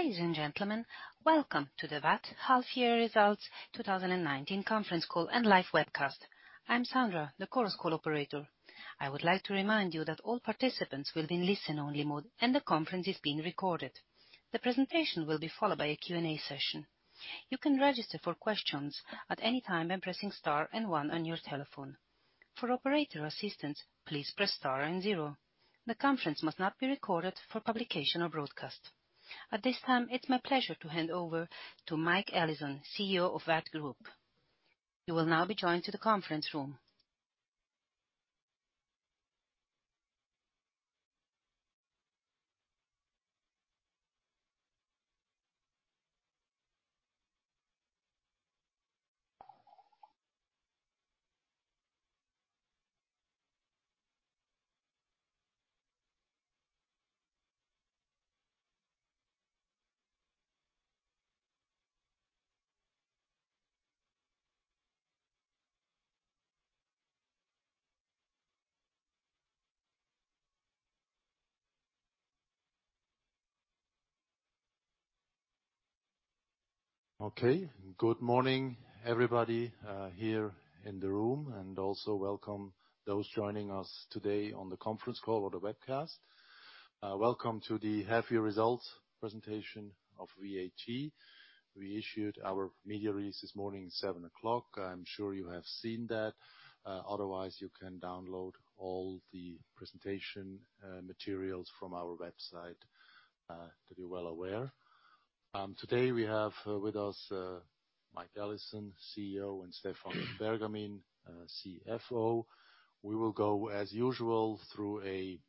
Ladies and gentlemen, welcome to the VAT half-year results 2019 conference call and live webcast. I'm Sandra, the Chorus Call operator. I would like to remind you that all participants will be in listen-only mode and the conference is being recorded. The presentation will be followed by a Q&A session. You can register for questions at any time by pressing star and one on your telephone. For operator assistance, please press star and zero. The conference must not be recorded for publication or broadcast. At this time, it's my pleasure to hand over to Mike Allison, CEO of VAT Group. You will now be joined to the conference room. Good morning, everybody here in the room. Also welcome those joining us today on the conference call or the webcast. Welcome to the half-year results presentation of VAT. We issued our media release this morning, 7:00 A.M. I'm sure you have seen that. Otherwise, you can download all the presentation materials from our website to be well aware. Today, we have with us Mike Allison, CEO, and Stephan Bergamin, CFO. We will go as usual through a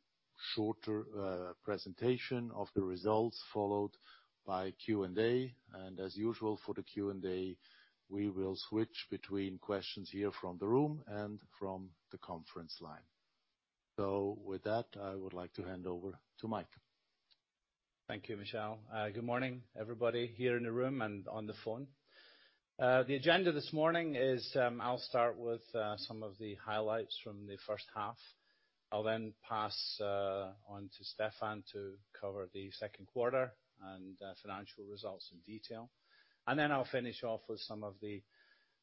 shorter presentation of the results followed by Q&A. As usual for the Q&A, we will switch between questions here from the room and from the conference line. With that, I would like to hand over to Mike. Thank you, Michel. Good morning, everybody here in the room and on the phone. The agenda this morning is, I'll start with some of the highlights from the first half. I'll then pass on to Stephan to cover the second quarter and financial results in detail. Then I'll finish off with some of the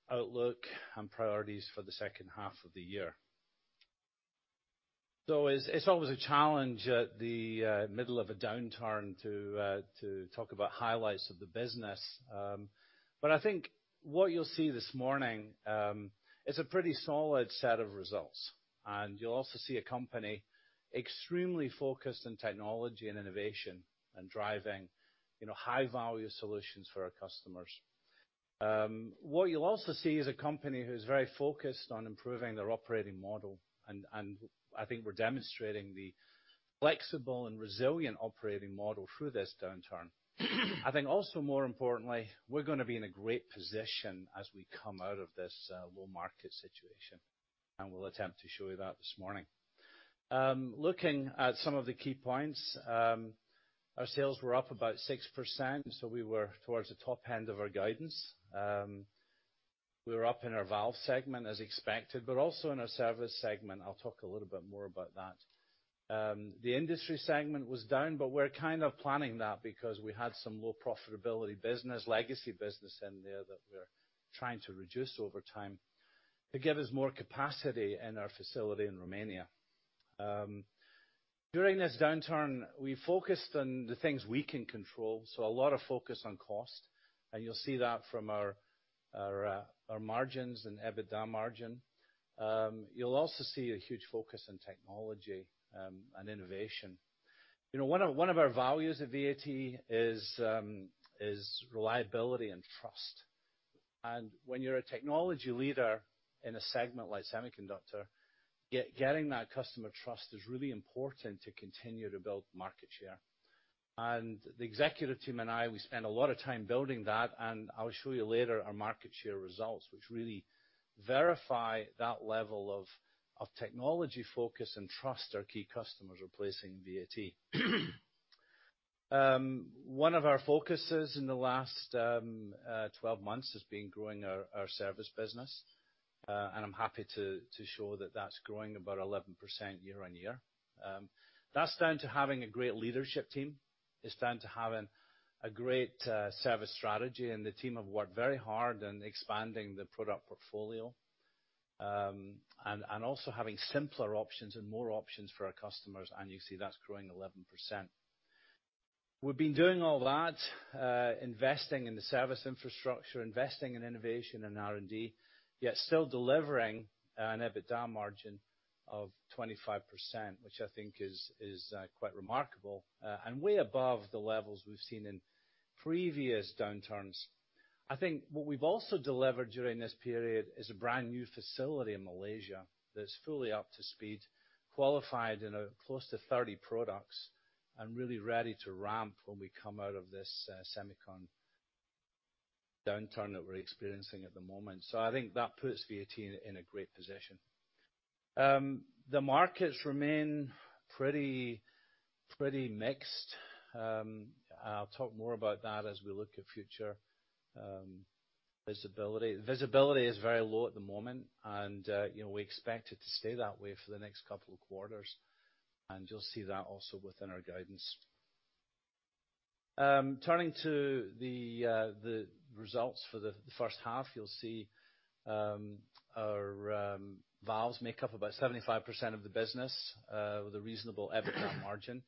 outlook and priorities for the second half of the year. It's always a challenge at the middle of a downturn to talk about highlights of the business. I think what you'll see this morning is a pretty solid set of results. You'll also see a company extremely focused on technology and innovation and driving high-value solutions for our customers. What you'll also see is a company who's very focused on improving their operating model, and I think we're demonstrating the flexible and resilient operating model through this downturn. I think also more importantly, we're going to be in a great position as we come out of this low market situation, and we'll attempt to show you that this morning. Looking at some of the key points, our sales were up about 6%, so we were towards the top end of our guidance. We were up in our valve segment as expected, but also in our service segment. I'll talk a little bit more about that. The industry segment was down, but we're kind of planning that because we had some low profitability business, legacy business in there that we're trying to reduce over time to give us more capacity in our facility in Romania. During this downturn, we focused on the things we can control, so a lot of focus on cost, and you'll see that from our margins and EBITDA margin. You'll also see a huge focus on technology and innovation. One of our values at VAT is reliability and trust. When you're a technology leader in a segment like semiconductor, getting that customer trust is really important to continue to build market share. The executive team and I, we spend a lot of time building that, and I will show you later our market share results, which really verify that level of technology focus and trust our key customers are placing in VAT. One of our focuses in the last 12 months has been growing our service business, and I'm happy to show that that's growing about 11% year-on-year. That's down to having a great leadership team. It's down to having a great service strategy, the team have worked very hard in expanding the product portfolio. Also having simpler options and more options for our customers, and you see that's growing 11%. We've been doing all that, investing in the service infrastructure, investing in innovation and R&D, yet still delivering an EBITDA margin of 25%, which I think is quite remarkable, and way above the levels we've seen in previous downturns. I think what we've also delivered during this period is a brand new facility in Malaysia that's fully up to speed, qualified in close to 30 products and really ready to ramp when we come out of this semicon downturn that we're experiencing at the moment. I think that puts VAT in a great position. The markets remain pretty mixed. I'll talk more about that as we look at future visibility. The visibility is very low at the moment, and we expect it to stay that way for the next couple of quarters. You'll see that also within our guidance. Turning to the results for the first half, you'll see our valves make up about 75% of the business with a reasonable EBITDA margin.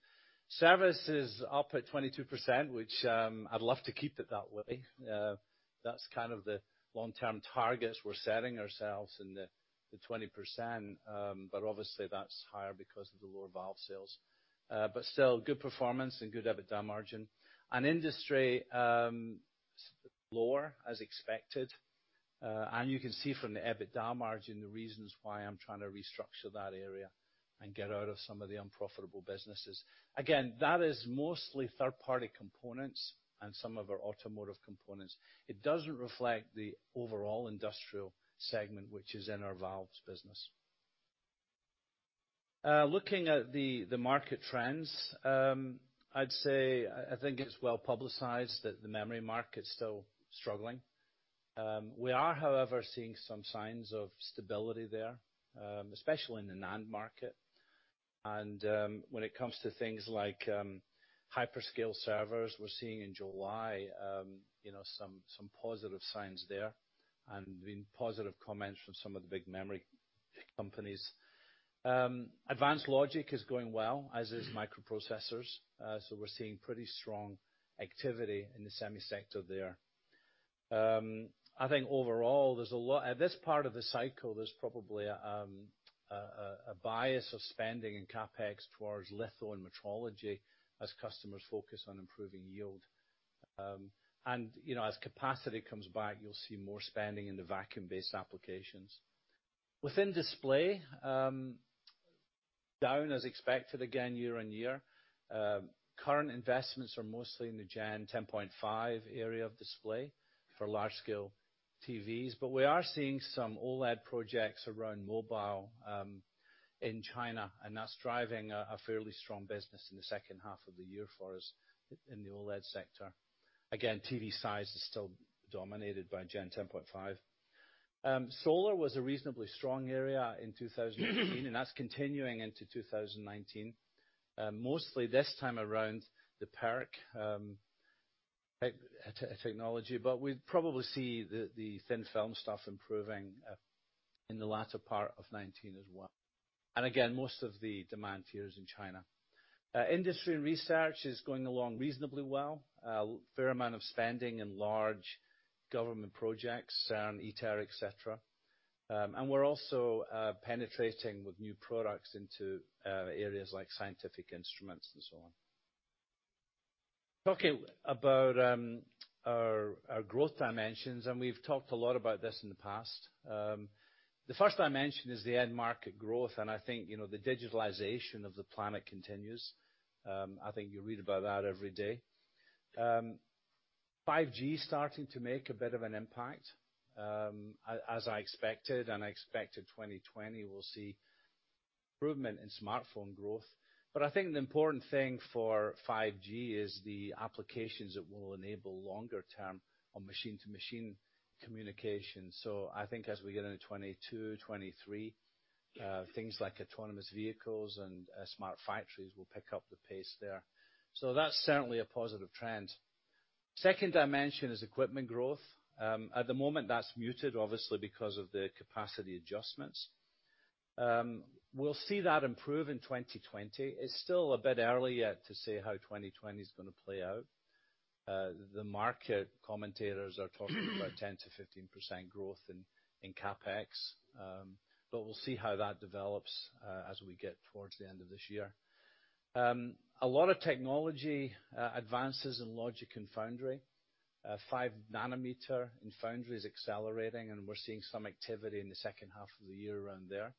Service is up at 22%, which I'd love to keep it that way. That's kind of the long-term targets we're setting ourselves in the 20%, obviously, that's higher because of the lower valve sales. Still good performance and good EBITDA margin. Industry, lower as expected. You can see from the EBITDA margin the reasons why I'm trying to restructure that area and get out of some of the unprofitable businesses. Again, that is mostly third-party components and some of our automotive components. It doesn't reflect the overall industrial segment which is in our valves business. Looking at the market trends, I'd say, I think it's well-publicized that the memory market's still struggling. We are, however, seeing some signs of stability there, especially in the NAND market. When it comes to things like hyperscale servers, we're seeing in July some positive signs there and positive comments from some of the big memory companies. Advanced logic is going well, as is microprocessors. We're seeing pretty strong activity in the semi sector there. I think overall, at this part of the cycle, there's probably a bias of spending in CapEx towards litho and metrology as customers focus on improving yield. As capacity comes back, you'll see more spending in the vacuum-based applications. Within display, down as expected again year-on-year. Current investments are mostly in the Gen 10.5 area of display for large-scale TVs. We are seeing some OLED projects around mobile in China, and that's driving a fairly strong business in the second half of the year for us in the OLED sector. Again, TV size is still dominated by Gen 10.5. Solar was a reasonably strong area in 2018, and that's continuing into 2019. Mostly this time around the PERC technology. We'd probably see the thin-film stuff improving in the latter part of 2019 as well. Again, most of the demand here is in China. Industry and research is going along reasonably well. A fair amount of spending in large government projects, CERN, ITER, et cetera. We are also penetrating with new products into areas like scientific instruments and so on. Talking about our growth dimensions, and we've talked a lot about this in the past. The first dimension is the end market growth. I think the digitalization of the planet continues. I think you read about that every day. 5G is starting to make a bit of an impact as I expected. I expect in 2020 we'll see improvement in smartphone growth. I think the important thing for 5G is the applications that will enable longer-term on machine-to-machine communication. I think as we get into 2022, 2023, things like autonomous vehicles and smart factories will pick up the pace there. That's certainly a positive trend. Second dimension is equipment growth. At the moment, that's muted, obviously, because of the capacity adjustments. We'll see that improve in 2020. It's still a bit early yet to say how 2020 is going to play out. The market commentators are talking about 10%-15% growth in CapEx, but we'll see how that develops as we get towards the end of this year. A lot of technology advances in logic and foundry. 5 nanometer in foundry is accelerating, and we're seeing some activity in the second half of the year around there.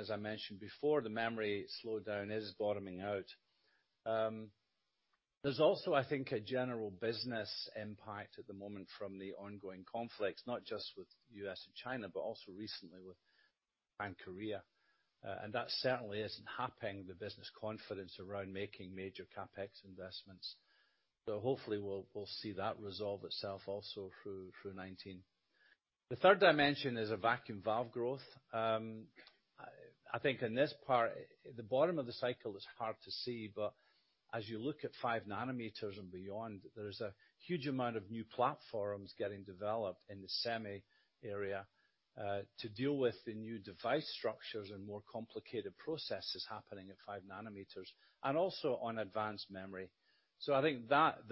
As I mentioned before, the memory slowdown is bottoming out. There's also, I think, a general business impact at the moment from the ongoing conflicts, not just with U.S. and China, but also recently with Japan and Korea. That certainly isn't helping the business confidence around making major CapEx investments. Hopefully, we'll see that resolve itself also through 2019. The third dimension is a vacuum valve growth. I think in this part, the bottom of the cycle is hard to see, but as you look at five nanometers and beyond, there is a huge amount of new platforms getting developed in the semi area to deal with the new device structures and more complicated processes happening at five nanometers, and also on advanced memory. I think that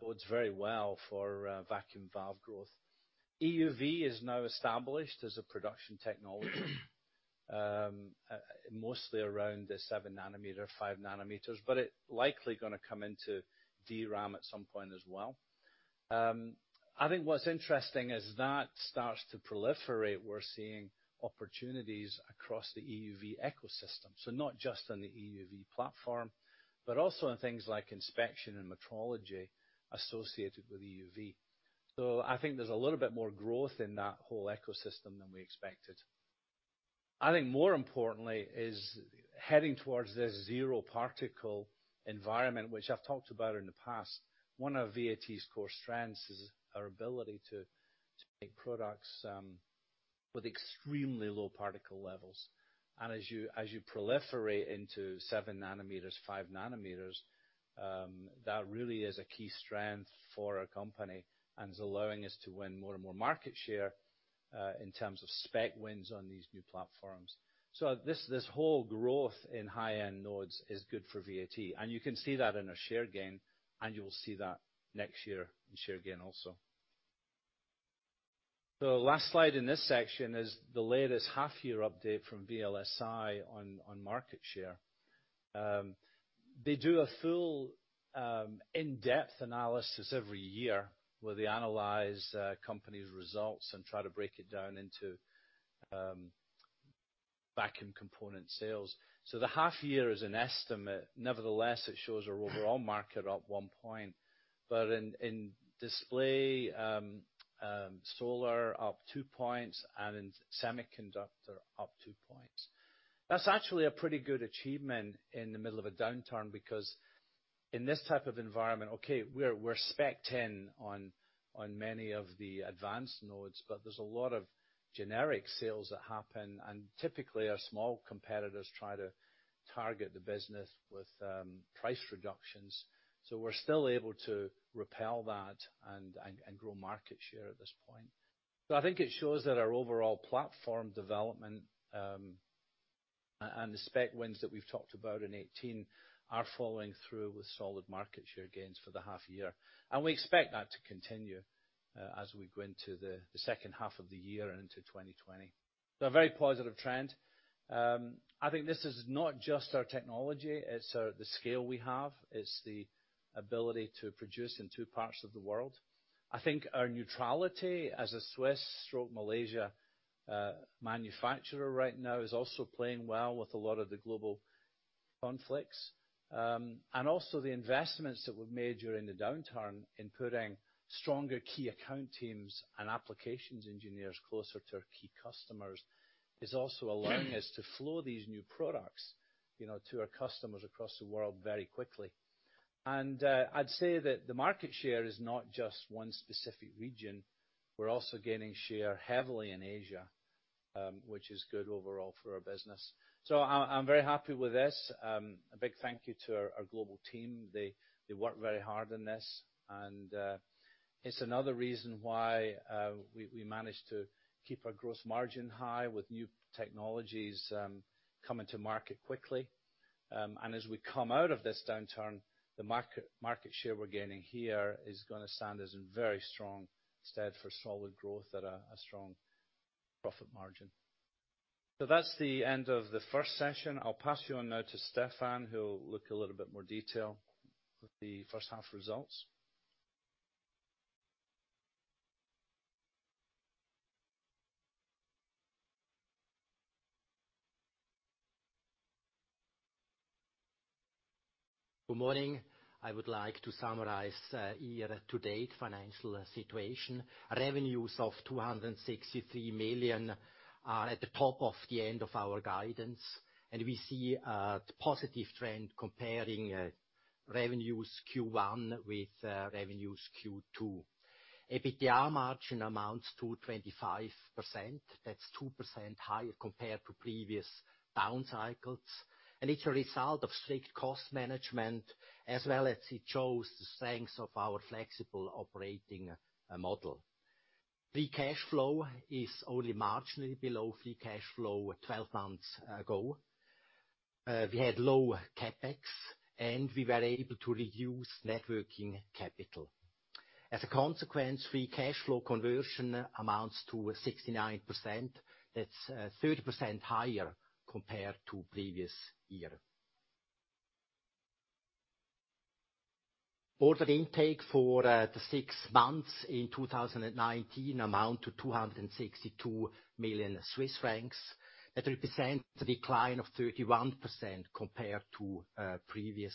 bodes very well for vacuum valve growth. EUV is now established as a production technology, mostly around the seven nanometer, five nanometers, but it likely going to come into DRAM at some point as well. I think what's interesting as that starts to proliferate, we're seeing opportunities across the EUV ecosystem. Not just on the EUV platform, but also on things like inspection and metrology associated with EUV. I think there's a little bit more growth in that whole ecosystem than we expected. I think more importantly is heading towards this zero particle environment, which I've talked about in the past. One of VAT's core strengths is our ability to make products with extremely low particle levels. As you proliferate into 7 nanometers, 5 nanometers, that really is a key strength for our company and is allowing us to win more and more market share, in terms of spec wins on these new platforms. This whole growth in high-end nodes is good for VAT, and you can see that in our share gain, and you will see that next year in share gain also. Last slide in this section is the latest half year update from VLSI on market share. They do a full in-depth analysis every year, where they analyze a company's results and try to break it down into backend component sales. The half year is an estimate. Nevertheless, it shows our overall market up 1 point, but in display, solar up 2 points, and in semiconductor up 2 points. That's actually a pretty good achievement in the middle of a downturn because in this type of environment, okay, we're spec-ed in on many of the advanced nodes, but there's a lot of generic sales that happen, and typically our small competitors try to target the business with price reductions. We're still able to repel that and grow market share at this point. I think it shows that our overall platform development, and the spec wins that we've talked about in 2018 are following through with solid market share gains for the half year. We expect that to continue as we go into the second half of the year and into 2020. A very positive trend. This is not just our technology, it's the scale we have. It's the ability to produce in two parts of the world. Our neutrality as a Swiss/Malaysia manufacturer right now is also playing well with a lot of the global conflicts. The investments that we've made during the downturn in putting stronger key account teams and applications engineers closer to our key customers is also allowing us to flow these new products to our customers across the world very quickly. I'd say that the market share is not just one specific region. We're also gaining share heavily in Asia, which is good overall for our business. I'm very happy with this. A big thank you to our global team. They work very hard on this, and it's another reason why we manage to keep our gross margin high with new technologies coming to market quickly. As we come out of this downturn, the market share we're gaining here is going to stand us in very strong stead for solid growth at a strong profit margin. That's the end of the first session. I'll pass you on now to Stephan, who'll look a little bit more detail with the first half results. Good morning. I would like to summarize year-to-date financial situation. Revenues of 263 million are at the top of the end of our guidance, and we see a positive trend comparing revenues Q1 with revenues Q2. EBITDA margin amounts to 25%. That's 2% higher compared to previous down cycles. It's a result of strict cost management as well as it shows the strength of our flexible operating model. Free cash flow is only marginally below free cash flow 12 months ago. We had low CapEx, and we were able to reduce net working capital. As a consequence, free cash flow conversion amounts to 69%. That's 30% higher compared to previous year. Order intake for the six months in 2019 amount to 262 million Swiss francs. That represents a decline of 31% compared to previous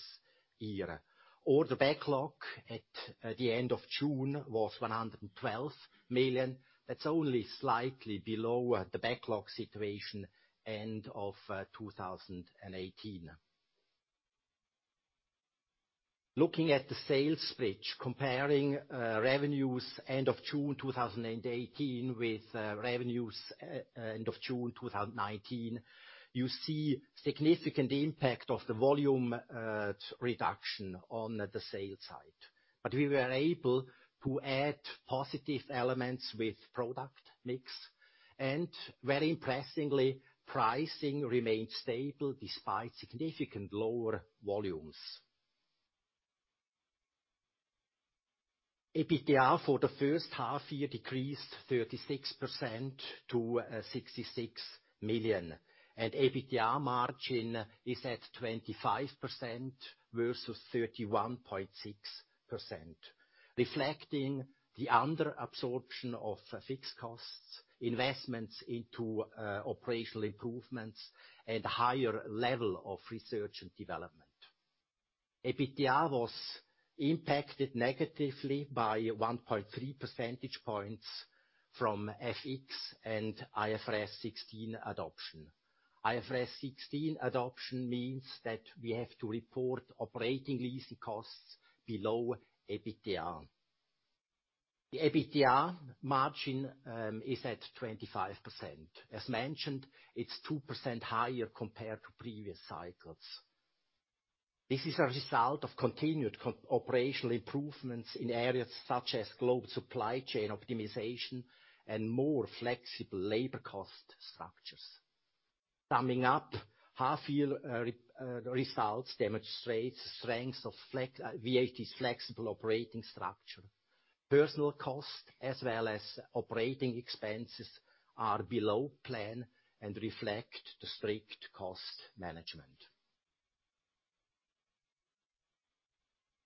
year. Order backlog at the end of June was 112 million. That's only slightly below the backlog situation end of 2018. Looking at the sales pitch, comparing revenues end of June 2018 with revenues end of June 2019, you see significant impact of the volume reduction on the sales side. We were able to add positive elements with product mix, and very impressively, pricing remained stable despite significant lower volumes. EBITDA for the first half year decreased 36% to 66 million, and EBITDA margin is at 25% versus 31.6%, reflecting the under absorption of fixed costs, investments into operational improvements, and higher level of research and development. EBITDA was impacted negatively by 1.3 percentage points from FX and IFRS 16 adoption. IFRS 16 adoption means that we have to report operating leasing costs below EBITDA. The EBITDA margin is at 25%. As mentioned, it's 2% higher compared to previous cycles. This is a result of continued operational improvements in areas such as global supply chain optimization and more flexible labor cost structures. Summing up, half year results demonstrates strengths of VAT's flexible operating structure. Personnel cost as well as operating expenses are below plan and reflect the strict cost management.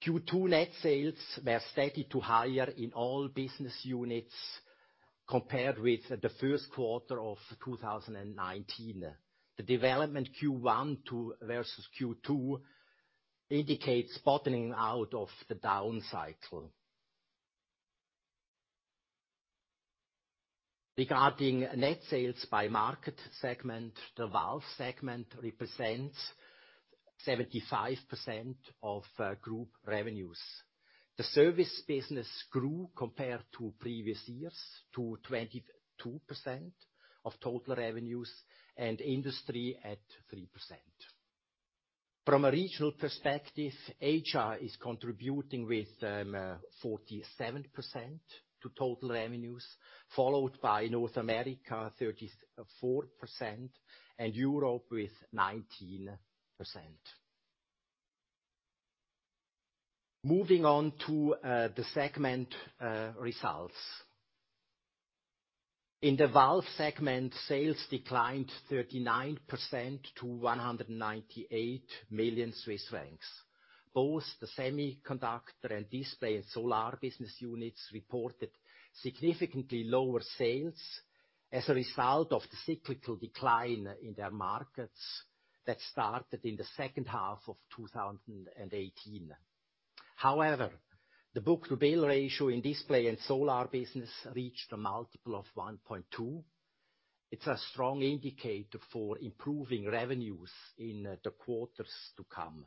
Q2 net sales were steady to higher in all business units compared with the first quarter of 2019. The development Q1 to versus Q2 indicates bottoming out of the down cycle. Regarding net sales by market segment, the valve segment represents 75% of group revenues. The service business grew compared to previous years to 22% of total revenues, and industry at 3%. From a regional perspective, Asia is contributing with 47% to total revenues, followed by North America, 34%, and Europe with 19%. Moving on to the segment results. In the valve segment, sales declined 39% to 198 million Swiss francs. Both the semiconductor and display and solar business units reported significantly lower sales as a result of the cyclical decline in their markets that started in the second half of 2018. The book-to-bill ratio in display and solar business reached a multiple of 1.2. It's a strong indicator for improving revenues in the quarters to come.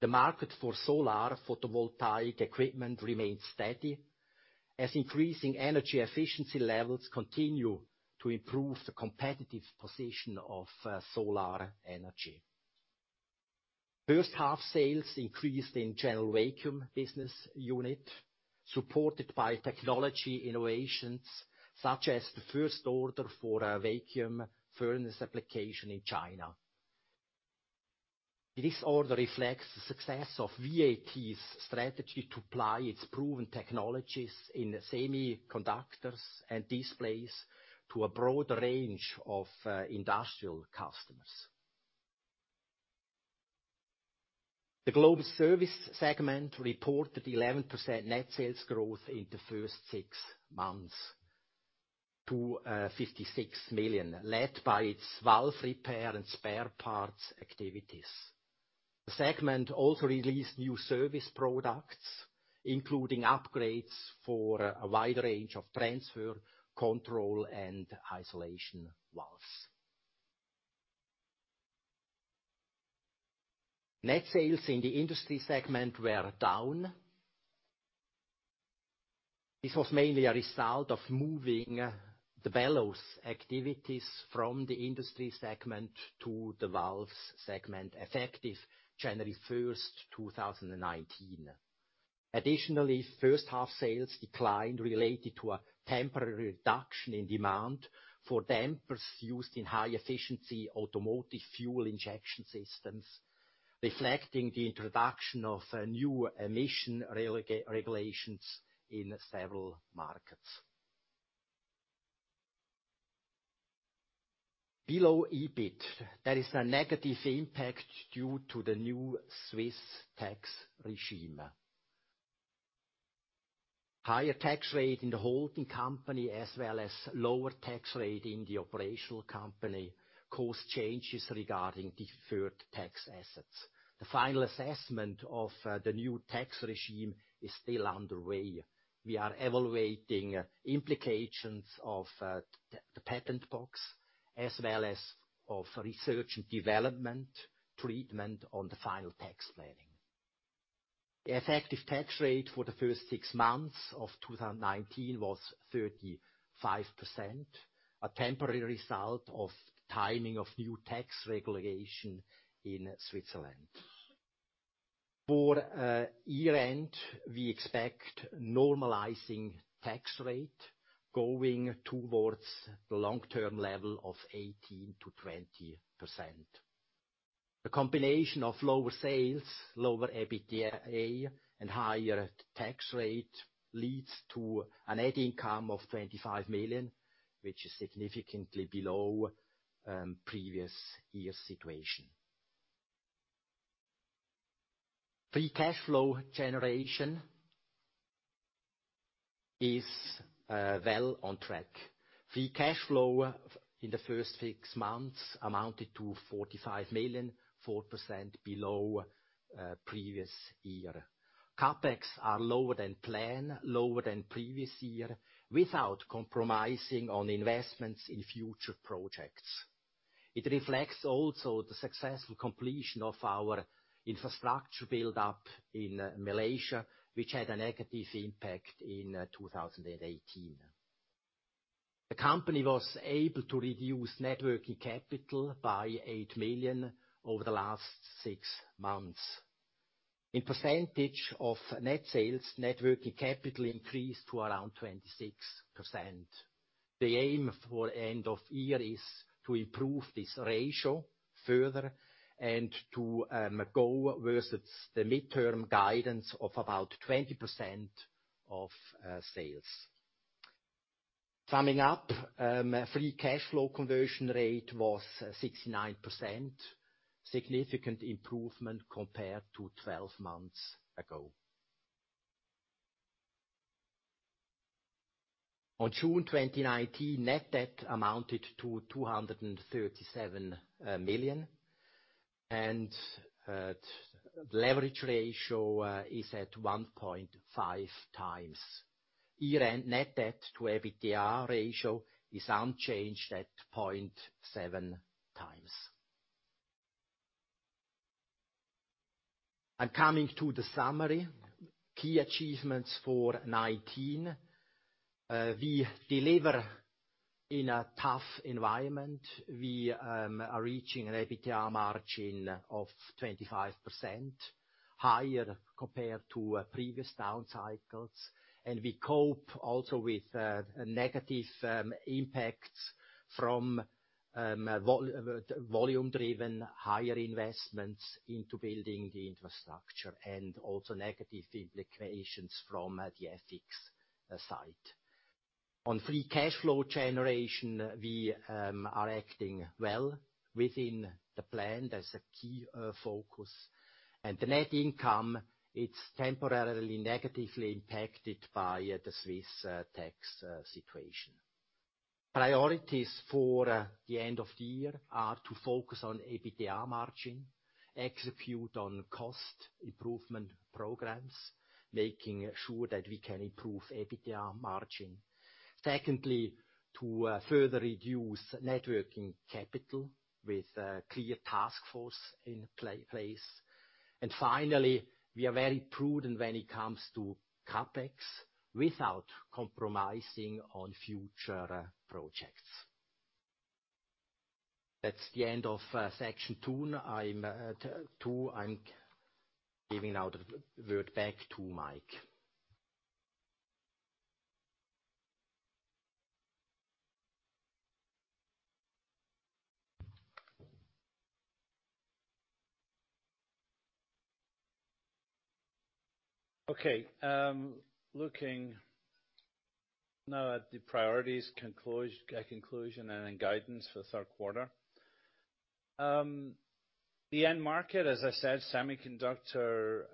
The market for solar photovoltaic equipment remains steady as increasing energy efficiency levels continue to improve the competitive position of solar energy. First-half sales increased in general vacuum business unit, supported by technology innovations such as the first order for a vacuum furnace application in China. This order reflects the success of VAT's strategy to apply its proven technologies in semiconductors and displays to a broad range of industrial customers. The Global Service Segment reported 11% net sales growth in the first six months to 56 million, led by its valve repair and spare parts activities. The segment also released new service products, including upgrades for a wide range of transfer, control, and isolation valves. Net sales in the Industry Segment were down. This was mainly a result of moving the bellows activities from the Industry Segment to the Valves Segment, effective January 1st, 2019. First-half sales declined related to a temporary reduction in demand for dampers used in high-efficiency automotive fuel injection systems, reflecting the introduction of new emission regulations in several markets. Below EBIT, there is a negative impact due to the new Swiss tax regime. Higher tax rate in the holding company, as well as lower tax rate in the operational company, caused changes regarding deferred tax assets. The final assessment of the new tax regime is still underway. We are evaluating implications of the patent box as well as of research and development treatment on the final tax planning. The effective tax rate for the first 6 months of 2019 was 35%, a temporary result of timing of new tax regulation in Switzerland. For year-end, we expect normalizing tax rate going towards the long-term level of 18%-20%. The combination of lower sales, lower EBITDA, and higher tax rate leads to a net income of 25 million, which is significantly below previous year's situation. Free cash flow generation is well on track. Free cash flow in the first 6 months amounted to 45 million, 4% below previous year. CapEx are lower than plan, lower than previous year, without compromising on investments in future projects. It reflects also the successful completion of our infrastructure build-up in Malaysia, which had a negative impact in 2018. The company was able to reduce net working capital by 8 million over the last six months. In percentage of net sales, net working capital increased to around 26%. The aim for end of year is to improve this ratio further and to go versus the midterm guidance of about 20% of sales. Summing up, free cash flow conversion rate was 69%, significant improvement compared to 12 months ago. On June 2019, net debt amounted to 237 million, the leverage ratio is at 1.5 times. Year-end net debt to EBITDA ratio is unchanged at 0.7 times. Coming to the summary, key achievements for 2019. We deliver in a tough environment. We are reaching an EBITDA margin of 25%, higher compared to previous down cycles. We cope also with negative impacts from volume-driven higher investments into building the infrastructure, and also negative implications from the F side. On free cash flow generation, we are acting well within the plan. That's a key focus. The net income, it's temporarily negatively impacted by the Swiss tax situation. Priorities for the end of the year are to focus on EBITDA margin, execute on cost improvement programs, making sure that we can improve EBITDA margin. Secondly, to further reduce net working capital with a clear task force in place. Finally, we are very prudent when it comes to CapEx, without compromising on future projects. That's the end of section two. I'm giving now the word back to Mike. Okay. Looking now at the priorities, conclusion, and guidance for the third quarter. The end market, as I said, semiconductor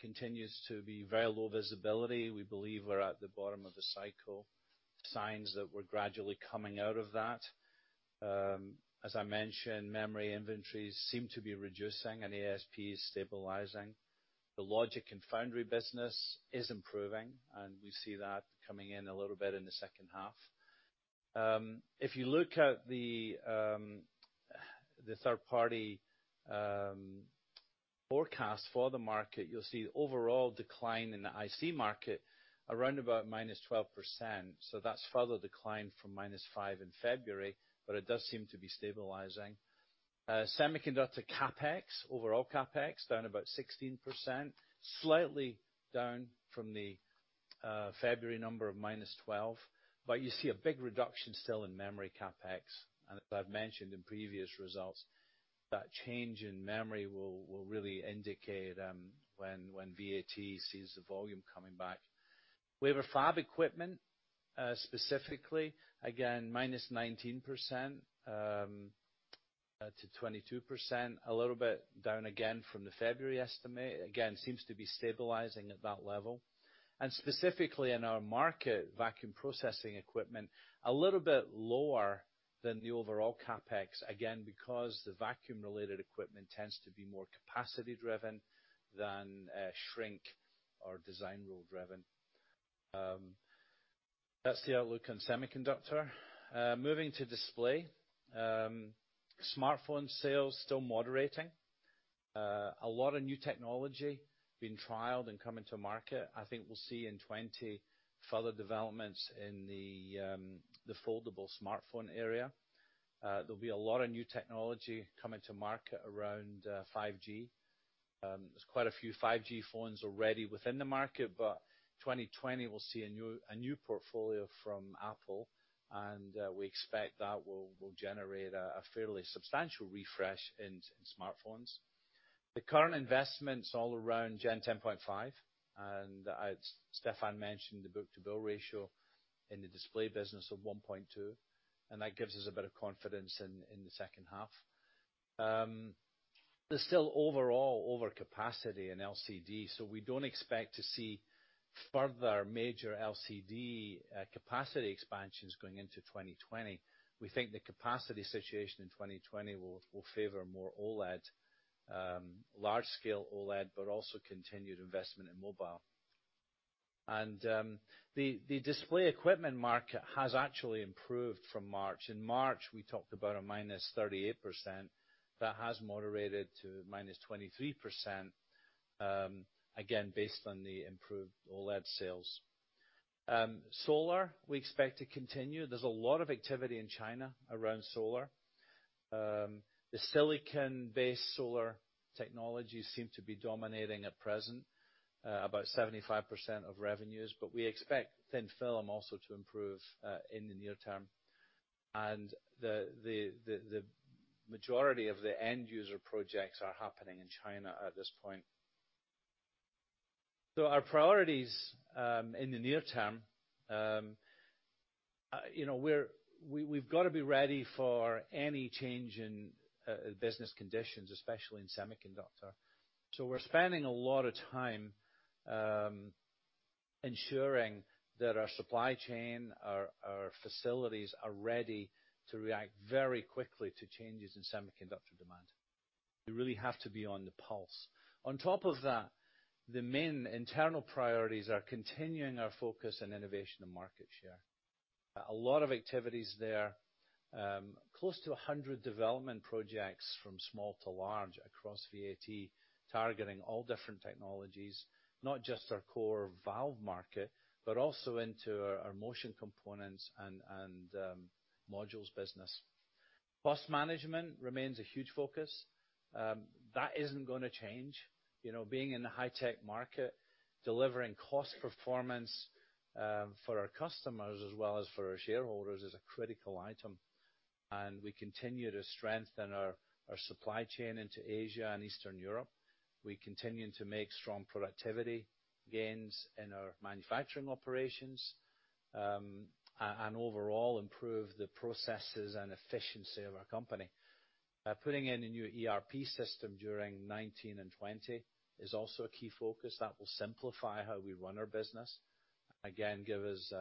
continues to be very low visibility. We believe we're at the bottom of the cycle. Signs that we're gradually coming out of that. As I mentioned, memory inventories seem to be reducing and ASP is stabilizing. The logic and foundry business is improving, we see that coming in a little bit in the second half. If you look at the third-party forecast for the market, you'll see overall decline in the IC market around about -12%. That's further decline from -5% in February, it does seem to be stabilizing. Semiconductor CapEx, overall CapEx down about 16%, slightly down from the February number of -12%. You see a big reduction still in memory CapEx, and as I've mentioned in previous results, that change in memory will really indicate when VAT sees the volume coming back. Wafer fab equipment, specifically, again, -19% to 22%, a little bit down again from the February estimate. Seems to be stabilizing at that level. Specifically in our market, vacuum processing equipment, a little bit lower than the overall CapEx, again, because the vacuum-related equipment tends to be more capacity driven than shrink or design rule driven. That's the outlook on semiconductor. Moving to display. Smartphone sales still moderating. A lot of new technology being trialed and coming to market. I think we'll see in 2020 further developments in the foldable smartphone area. There'll be a lot of new technology coming to market around 5G. There's quite a few 5G phones already within the market, but 2020, we'll see a new portfolio from Apple, and we expect that will generate a fairly substantial refresh in smartphones. The current investments all around Gen 10.5, and Stephan mentioned the book-to-bill ratio in the display business of 1.2, and that gives us a bit of confidence in the second half. There's still overall overcapacity in LCD, so we don't expect to see further major LCD capacity expansions going into 2020. We think the capacity situation in 2020 will favor more large-scale OLED, but also continued investment in mobile. The display equipment market has actually improved from March. In March, we talked about a -38%. That has moderated to -23%, again, based on the improved OLED sales. Solar, we expect to continue. There's a lot of activity in China around solar. The silicon-based solar technologies seem to be dominating at present, about 75% of revenues, but we expect thin-film also to improve in the near term. The majority of the end-user projects are happening in China at this point. Our priorities in the near term, we've got to be ready for any change in business conditions, especially in semiconductor. We're spending a lot of time ensuring that our supply chain, our facilities are ready to react very quickly to changes in semiconductor demand. We really have to be on the pulse. On top of that, the main internal priorities are continuing our focus on innovation and market share. A lot of activities there. Close to 100 development projects from small to large across VAT, targeting all different technologies, not just our core valve market, but also into our motion components and modules business. Cost management remains a huge focus. That isn't going to change. Being in the high-tech market, delivering cost performance for our customers as well as for our shareholders is a critical item, and we continue to strengthen our supply chain into Asia and Eastern Europe. We continue to make strong productivity gains in our manufacturing operations, and overall improve the processes and efficiency of our company. Putting in a new ERP system during 2019 and 2020 is also a key focus. That will simplify how we run our business. Again, give us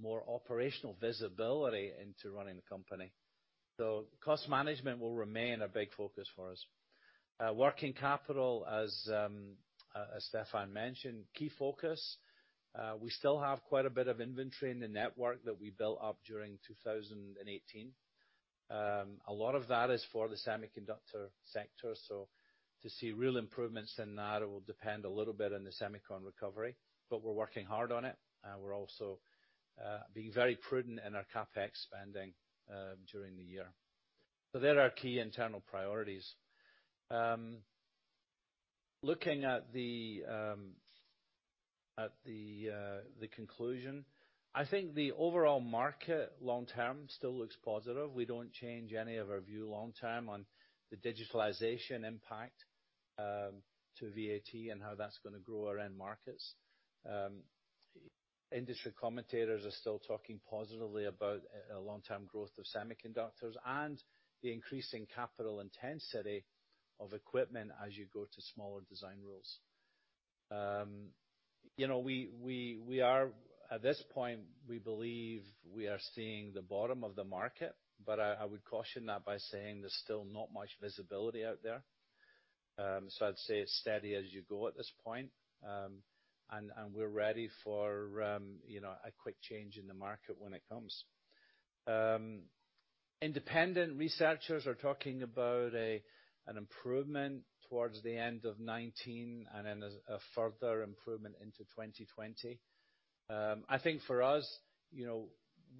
more operational visibility into running the company. Cost management will remain a big focus for us. Working capital, as Stephan mentioned, key focus. We still have quite a bit of inventory in the network that we built up during 2018. A lot of that is for the semiconductor sector, to see real improvements in that, it will depend a little bit on the semicon recovery, but we're working hard on it. We're also being very prudent in our CapEx spending during the year. There are our key internal priorities. Looking at the conclusion, I think the overall market long term still looks positive. We don't change any of our view long term on the digitalization impact to VAT and how that's going to grow our end markets. Industry commentators are still talking positively about a long-term growth of semiconductors and the increasing capital intensity of equipment as you go to smaller design rules. At this point, we believe we are seeing the bottom of the market, I would caution that by saying there's still not much visibility out there. I'd say it's steady as you go at this point. We're ready for a quick change in the market when it comes. Independent researchers are talking about an improvement towards the end of 2019, and then a further improvement into 2020. I think for us,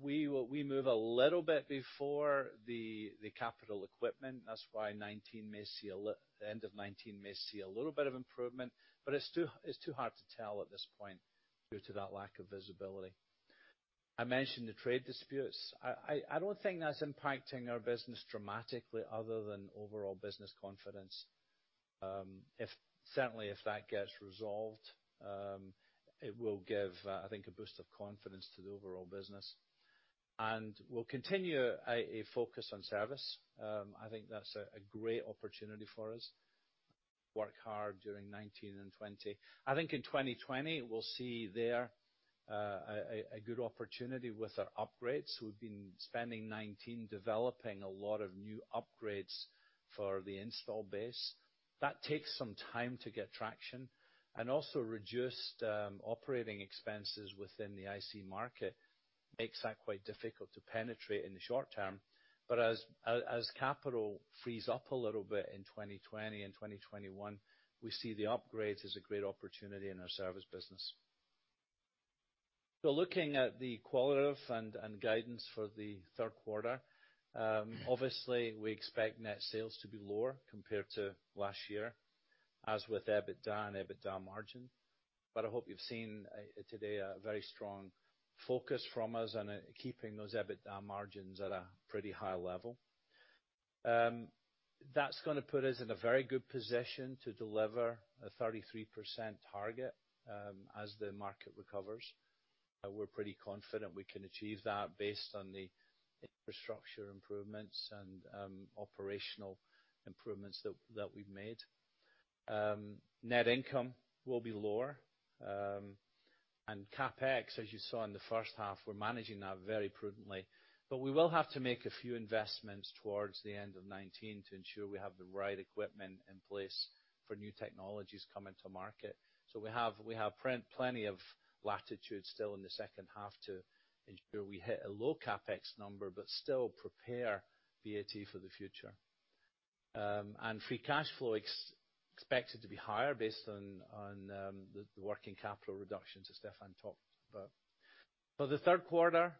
we move a little bit before the capital equipment. That's why the end of 2019 may see a little bit of improvement, but it's too hard to tell at this point due to that lack of visibility. I mentioned the trade disputes. I don't think that's impacting our business dramatically other than overall business confidence. Certainly, if that gets resolved, it will give, I think, a boost of confidence to the overall business. We'll continue a focus on service. I think that's a great opportunity for us. Work hard during 2019 and 2020. I think in 2020, we'll see there a good opportunity with our upgrades. We've been spending 2019 developing a lot of new upgrades for the installed base. That takes some time to get traction, and also reduced operating expenses within the IC market makes that quite difficult to penetrate in the short term. As capital frees up a little bit in 2020 and 2021, we see the upgrades as a great opportunity in our service business. Looking at the qualitative and guidance for the third quarter, obviously, we expect net sales to be lower compared to last year as with EBITDA and EBITDA margin. I hope you've seen today a very strong focus from us on keeping those EBITDA margins at a pretty high level. That's going to put us in a very good position to deliver a 33% target as the market recovers. We're pretty confident we can achieve that based on the infrastructure improvements and operational improvements that we've made. Net income will be lower. CapEx, as you saw in the first half, we're managing that very prudently. We will have to make a few investments towards the end of 2019 to ensure we have the right equipment in place for new technologies coming to market. We have plenty of latitude still in the second half to ensure we hit a low CapEx number, but still prepare VAT for the future. Free cash flow is expected to be higher based on the working capital reduction to Stephan talk about. For the third quarter,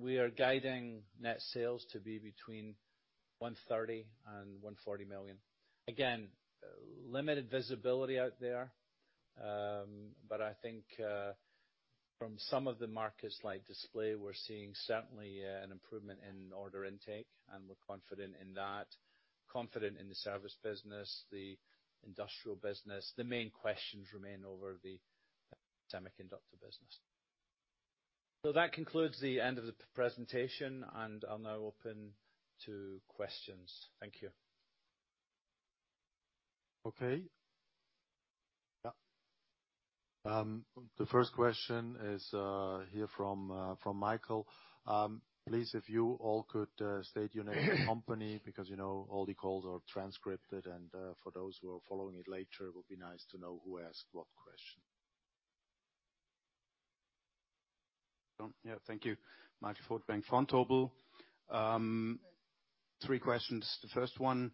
we are guiding net sales to be between 130 million and 140 million. Again, limited visibility out there. I think, from some of the markets like display, we're seeing certainly an improvement in order intake, and we're confident in that. Confident in the service business, the industrial business. The main questions remain over the semiconductor business. That concludes the end of the presentation, and I'll now open to questions. Thank you. Okay. The first question is here from Michael. Please, if you all could state your name and company, because all the calls are transcripted, and for those who are following it later, it would be nice to know who asked what question. Thank you. Michael from Vontobel. Three questions. The first one,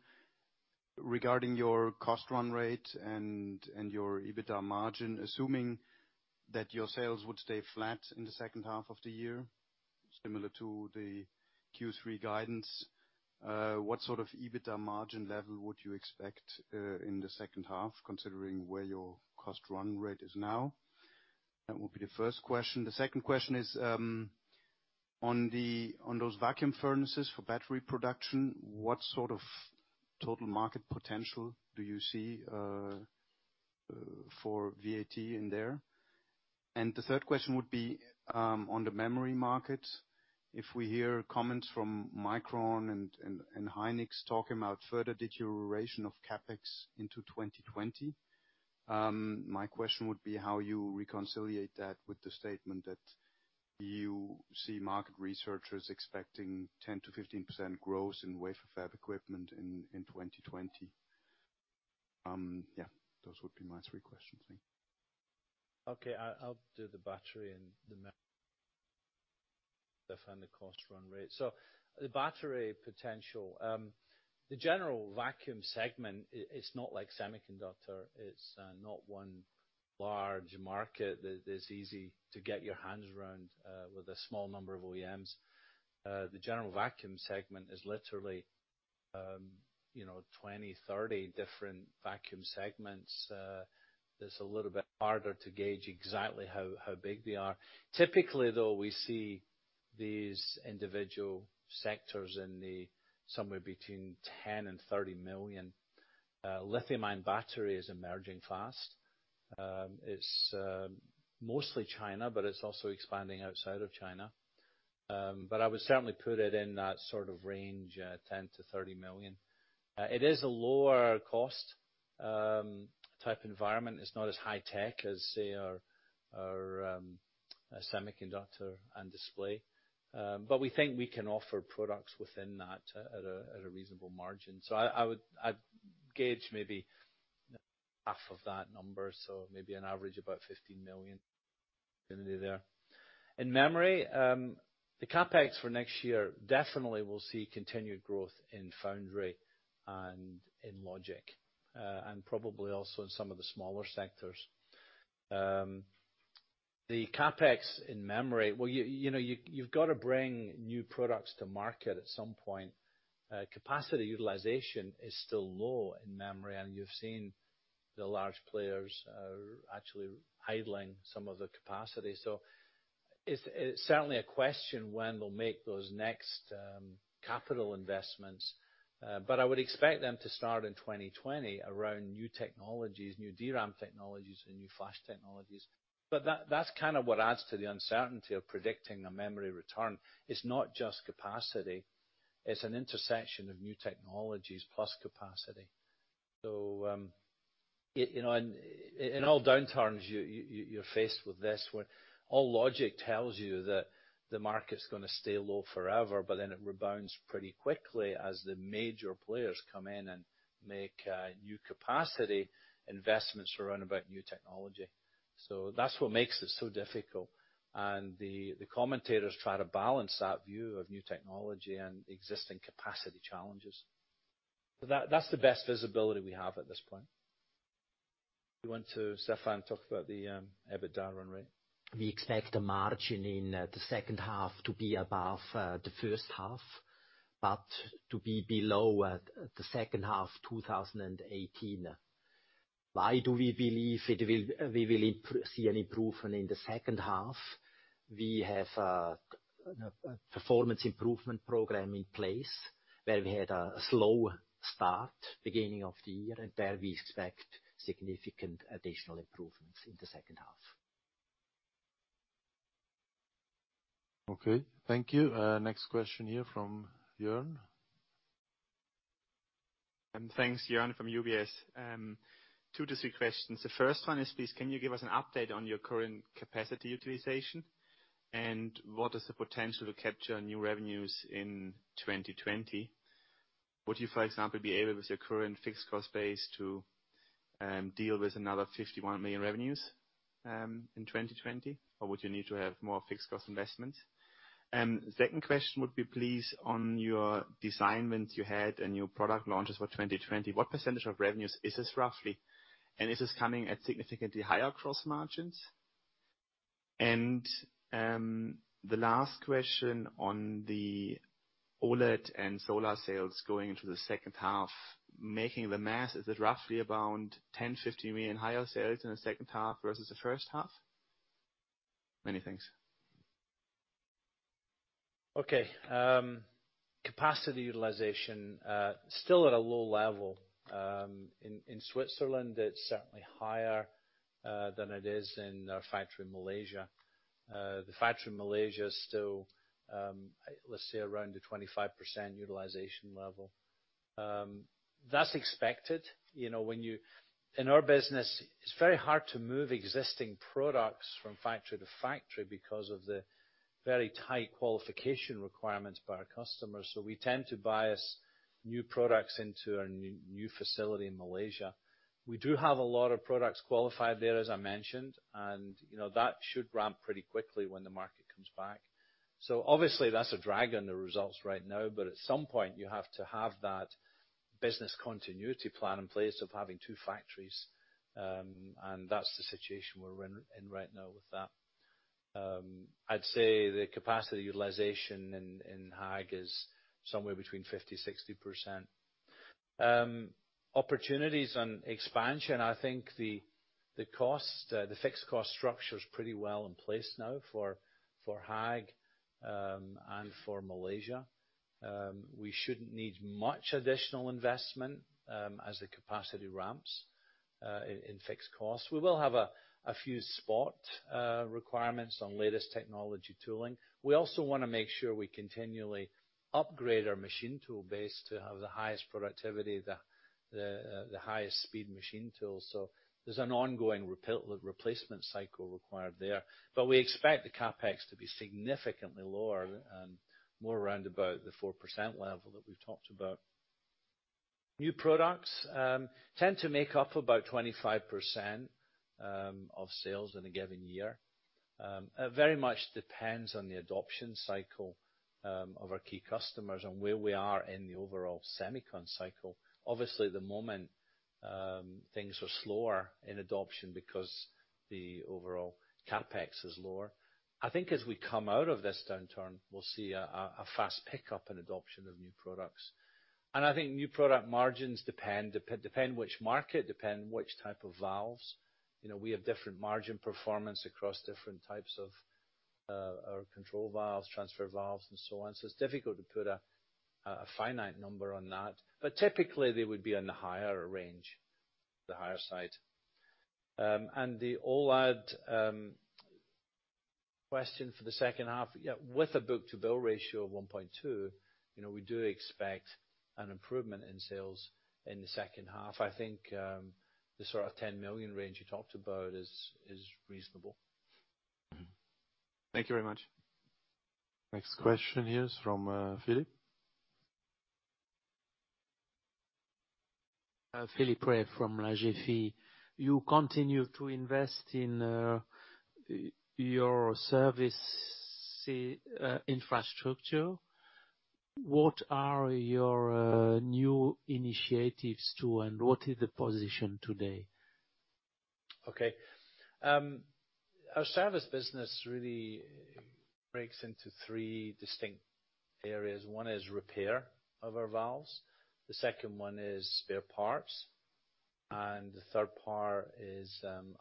regarding your cost run rate and your EBITDA margin, assuming that your sales would stay flat in the second half of the year, similar to the Q3 guidance, what sort of EBITDA margin level would you expect in the second half, considering where your cost run rate is now? That would be the first question. The second question is, on those vacuum furnaces for battery production, what sort of total market potential do you see for VAT in there? The third question would be, on the memory market, if we hear comments from Micron and Hynix talking about further deterioration of CapEx into 2020, my question would be how you reconciliate that with the statement that you see market researchers expecting 10%-15% growth in wafer fab equipment in 2020? Those would be my three questions, thanks. Okay. I'll do the battery and the memory, Stephan, the cost run rate. The battery potential. The general vacuum segment, it's not like semiconductor. It's not one large market that is easy to get your hands around with a small number of OEMs. The general vacuum segment is literally 20, 30 different vacuum segments. It's a little bit harder to gauge exactly how big they are. Typically, though, we see these individual sectors in somewhere between 10 million and 30 million. Lithium ion battery is emerging fast. It's mostly China, but it's also expanding outside of China. I would certainly put it in that sort of range, 10 million-30 million. It is a lower cost type environment. It's not as high tech as, say, our semiconductor and display. We think we can offer products within that at a reasonable margin. I would gauge maybe half of that number, so maybe on average about 15 million there. In memory, the CapEx for next year definitely will see continued growth in foundry and in Logic, and probably also in some of the smaller sectors. The CapEx in memory, you've got to bring new products to market at some point. Capacity utilization is still low in memory, and you've seen the large players are actually idling some of the capacity. It's certainly a question when they'll make those next capital investments. I would expect them to start in 2020 around new technologies, new DRAM technologies and new flash technologies. That's kind of what adds to the uncertainty of predicting a memory return. It's not just capacity. It's an intersection of new technologies plus capacity. In all downturns, you're faced with this, where all logic tells you that the market's going to stay low forever, it rebounds pretty quickly as the major players come in and make new capacity investments around about new technology. That's what makes it so difficult, the commentators try to balance that view of new technology and existing capacity challenges. That's the best visibility we have at this point. You want to, Stephan, talk about the EBITDA run rate? We expect the margin in the second half to be above the first half, but to be below the second half 2018. Why do we believe we will see an improvement in the second half? We have a performance improvement program in place Where we had a slow start beginning of the year, and where we expect significant additional improvements in the second half. Okay. Thank you. Next question here from [Bjorn]. Thanks. [Bjorn] from UBS. Two distinct questions. The first one is, please can you give us an update on your current capacity utilization, and what is the potential to capture new revenues in 2020? Would you, for example, be able, with your current fixed cost base, to deal with another 51 million revenues in 2020 or would you need to have more fixed cost investment? Second question would be, please, on your design wins you had and your product launches for 2020, what % of revenues is this roughly? Is this coming at significantly higher gross margins? The last question on the OLED and solar sales going into the second half, making the mass, is it roughly around 10 million-15 million higher sales in the second half versus the first half? Many thanks. Okay. Capacity utilization, still at a low level. In Switzerland, it's certainly higher than it is in our factory in Malaysia. The factory in Malaysia is still, let's say, around a 25% utilization level. That's expected. In our business, it's very hard to move existing products from factory to factory because of the very tight qualification requirements by our customers. We tend to bias new products into our new facility in Malaysia. We do have a lot of products qualified there, as I mentioned, and that should ramp pretty quickly when the market comes back. Obviously, that's a drag on the results right now, but at some point you have to have that business continuity plan in place of having two factories. That's the situation we're in right now with that. I'd say the capacity utilization in Haag is somewhere between 50%-60%. Opportunities and expansion, I think the fixed cost structure is pretty well in place now for Haag and for Malaysia. We shouldn't need much additional investment as the capacity ramps, in fixed costs. We will have a few spot requirements on latest technology tooling. We also want to make sure we continually upgrade our machine tool base to have the highest productivity, the highest speed machine tools. There's an ongoing replacement cycle required there. We expect the CapEx to be significantly lower and more around about the 4% level that we've talked about. New products tend to make up about 25% of sales in a given year. Very much depends on the adoption cycle of our key customers and where we are in the overall semicon cycle. Obviously, at the moment, things are slower in adoption because the overall CapEx is lower. I think as we come out of this downturn, we'll see a fast pickup in adoption of new products. I think new product margins depend which market, depend which type of valves. We have different margin performance across different types of our control valves, transfer valves, and so on. It's difficult to put a finite number on that, but typically they would be in the higher range, the higher side. The OLED question for the second half. With a book-to-bill ratio of 1.2, we do expect an improvement in sales in the second half. I think, the sort of 10 million range you talked about is reasonable. Thank you very much. Next question is from Philippe. Philippe Rey from La GFF. You continue to invest in your service infrastructure. What are your new initiatives? What is the position today? Our service business really breaks into three distinct areas. One is repair of our valves, the second one is spare parts, and the third part is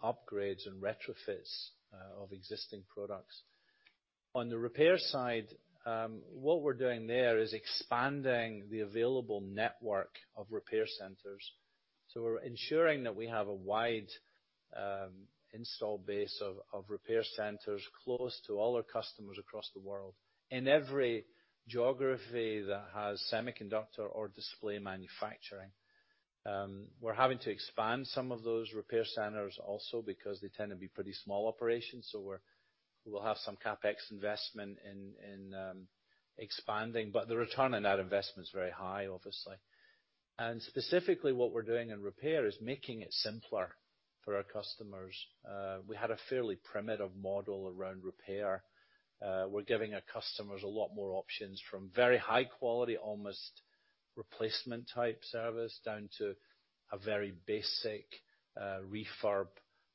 upgrades and retrofits of existing products. On the repair side, what we're doing there is expanding the available network of repair centers. We're ensuring that we have a wide installed base of repair centers close to all our customers across the world, in every geography that has semiconductor or display manufacturing. We're having to expand some of those repair centers also because they tend to be pretty small operations, we'll have some CapEx investment in expanding. The return on that investment is very high, obviously. Specifically what we're doing in repair is making it simpler for our customers. We had a fairly primitive model around repair. We're giving our customers a lot more options, from very high quality, almost replacement type service, down to a very basic refurb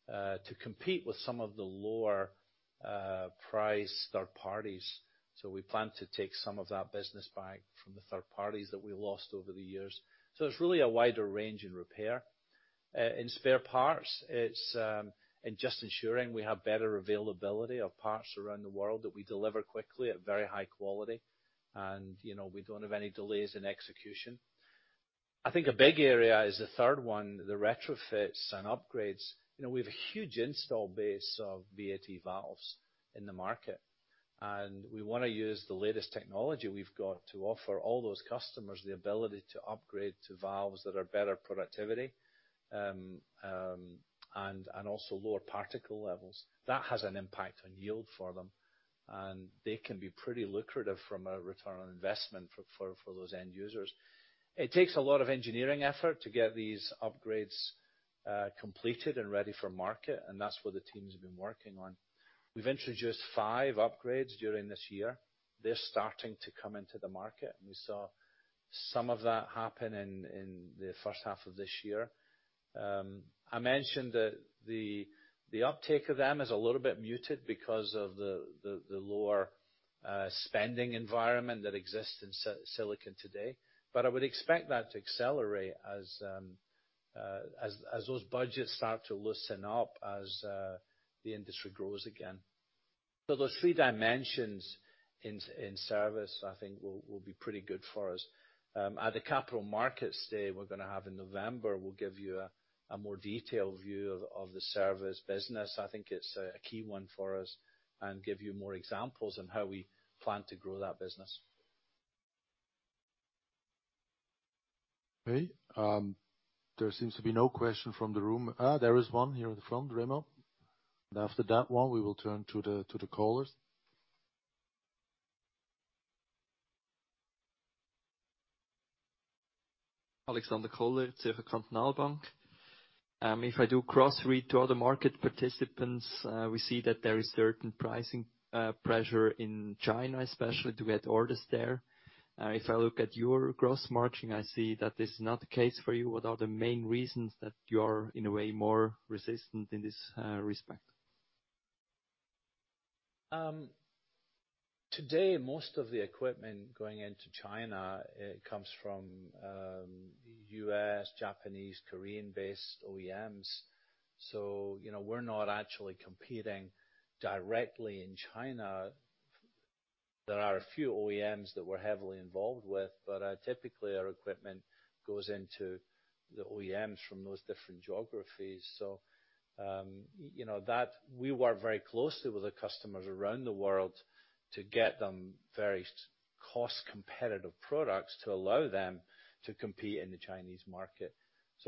to compete with some of the lower priced third parties. We plan to take some of that business back from the third parties that we lost over the years. It's really a wider range in repair. In spare parts, it's in just ensuring we have better availability of parts around the world, that we deliver quickly at very high quality, and we don't have any delays in execution. I think a big area is the third one, the retrofits and upgrades. We have a huge installed base of VAT valves in the market, and we want to use the latest technology we've got to offer all those customers the ability to upgrade to valves that are better productivity, and also lower particle levels. That has an impact on yield for them, and they can be pretty lucrative from a return on investment for those end users. It takes a lot of engineering effort to get these upgrades completed and ready for market, and that's what the team's been working on. We've introduced five upgrades during this year. They're starting to come into the market, and we saw some of that happen in the first half of this year. I mentioned the uptake of them is a little bit muted because of the lower spending environment that exists in silicon today. I would expect that to accelerate as those budgets start to loosen up, as the industry grows again. Those three dimensions in service, I think will be pretty good for us. At the capital markets day we're going to have in November, we'll give you a more detailed view of the service business. I think it's a key one for us and give you more examples on how we plan to grow that business. Okay. There seems to be no question from the room. There is one here in the front, Remo. After that one, we will turn to the callers. Alexander Kohler, Zürcher Kantonalbank. If I do cross-read to other market participants, we see that there is certain pricing pressure in China, especially to get orders there. If I look at your gross margin, I see that this is not the case for you. What are the main reasons that you're, in a way, more resistant in this respect? Today, most of the equipment going into China comes from U.S., Japanese, Korean-based OEMs. We're not actually competing directly in China. There are a few OEMs that we're heavily involved with, but typically our equipment goes into the OEMs from those different geographies. We work very closely with the customers around the world to get them very cost-competitive products to allow them to compete in the Chinese market.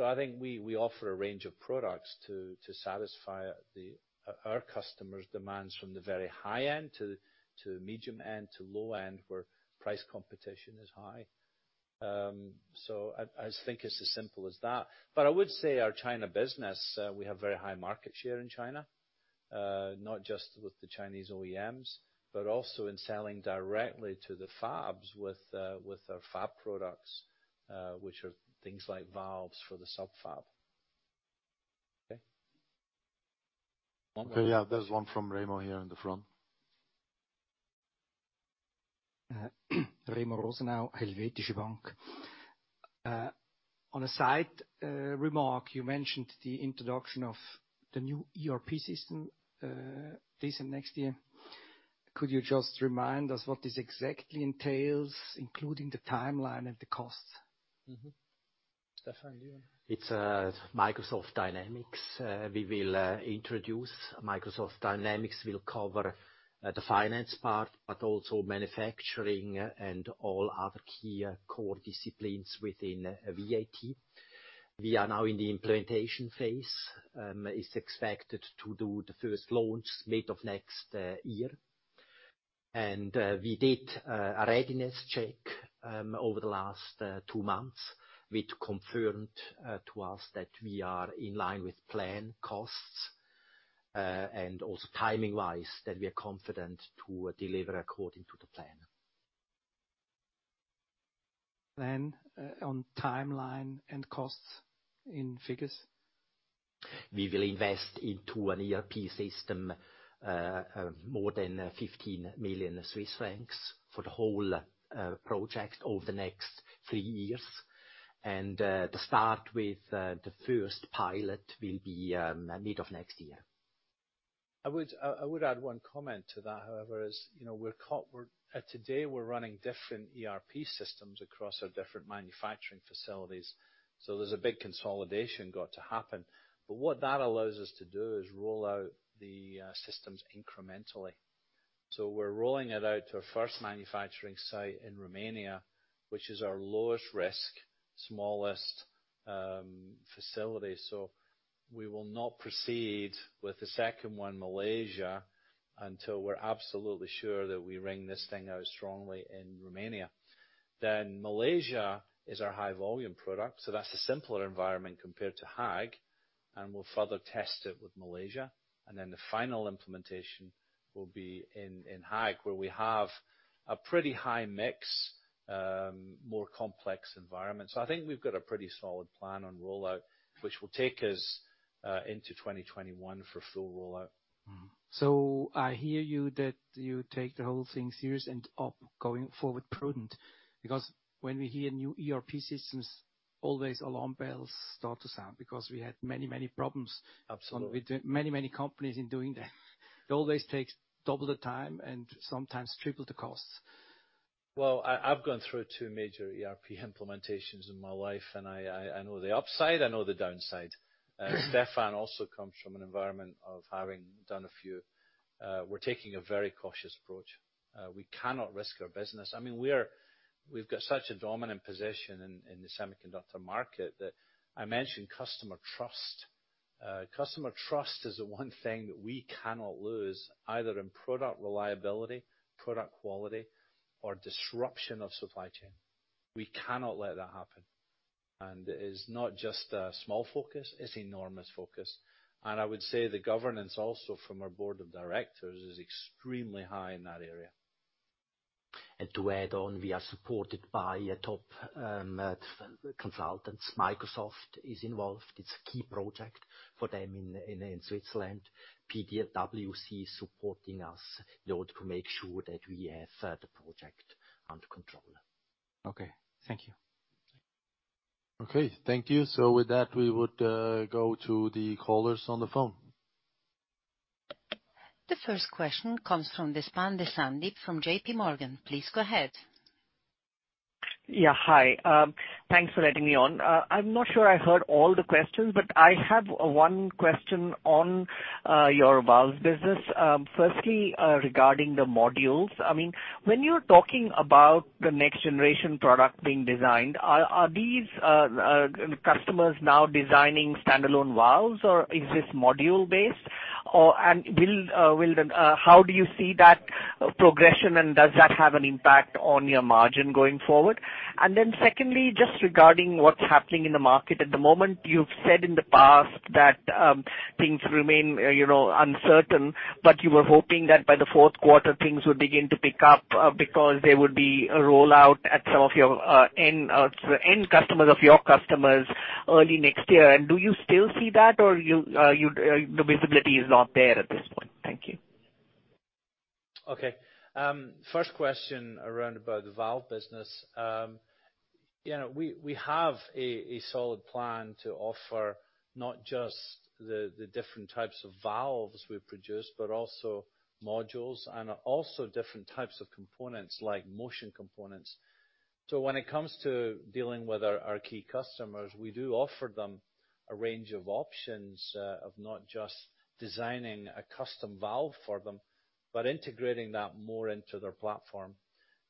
I think we offer a range of products to satisfy our customers' demands from the very high-end to the medium-end to low-end, where price competition is high. I think it's as simple as that. I would say our China business, we have very high market share in China. Not just with the Chinese OEMs, but also in selling directly to the fabs with our fab products, which are things like valves for the sub-fab. Okay. Okay. There's one from Remo here in the front. Remo Rosenau, Helvetische Bank. On a side remark, you mentioned the introduction of the new ERP system, this and next year. Could you just remind us what this exactly entails, including the timeline and the costs? Mm-hmm. Stephan, you want to. It's Microsoft Dynamics. We will introduce Microsoft Dynamics, will cover the finance part, but also manufacturing and all other key core disciplines within VAT. We are now in the implementation phase. It's expected to do the first launch mid of next year. We did a readiness check over the last two months, which confirmed to us that we are in line with plan costs, and also timing-wise, that we are confident to deliver according to the plan. On timeline and costs in figures. We will invest into an ERP system, more than 15 million Swiss francs for the whole project over the next three years. To start with, the first pilot will be mid of next year. I would add one comment to that, however. Today we're running different ERP systems across our different manufacturing facilities. There's a big consolidation got to happen. What that allows us to do is roll out the systems incrementally. We're rolling it out to our first manufacturing site in Romania, which is our lowest risk, smallest facility. We will not proceed with the second one, Malaysia, until we're absolutely sure that we wring this thing out strongly in Romania. Malaysia is our high volume product. That's a simpler environment compared to Haag. We'll further test it with Malaysia. The final implementation will be in Haag, where we have a pretty high mix, more complex environment. I think we've got a pretty solid plan on rollout, which will take us into 2021 for full rollout. I hear you that you take the whole thing serious and going forward, prudent, because when we hear new ERP systems, always alarm bells start to sound, because we had many problems. Absolutely with many, many companies in doing that. It always takes double the time and sometimes triple the costs. Well, I've gone through two major ERP implementations in my life, and I know the upside, I know the downside. Stephan also comes from an environment of having done a few. We're taking a very cautious approach. We cannot risk our business. We've got such a dominant position in the semiconductor market that I mentioned customer trust. Customer trust is the one thing that we cannot lose, either in product reliability, product quality, or disruption of supply chain. We cannot let that happen. It is not just a small focus, it's enormous focus. I would say the governance also from our board of directors is extremely high in that area. To add on, we are supported by top consultants. Microsoft is involved. It's a key project for them in Switzerland. PwC is supporting us in order to make sure that we have the project under control. Okay. Thank you. Okay. Thank you. With that, we would go to the callers on the phone. The first question comes from Deshpande Sandeep, from JPMorgan. Please go ahead. Yeah. Hi. Thanks for letting me on. I'm not sure I heard all the questions, but I have one question on your valves business. Firstly, regarding the modules, when you are talking about the next generation product being designed, are these customers now designing standalone valves, or is this module based? How do you see that progression, and does that have an impact on your margin going forward? Secondly, just regarding what is happening in the market at the moment, you have said in the past that things remain uncertain, but you were hoping that by the fourth quarter things would begin to pick up because there would be a rollout at some of your end customers of your customers early next year. Do you still see that, or the visibility is not there at this point? Thank you. Okay. First question around about the valve business. We have a solid plan to offer not just the different types of valves we produce, but also modules and also different types of components, like motion components. When it comes to dealing with our key customers, we do offer them a range of options of not just designing a custom valve for them, but integrating that more into their platform.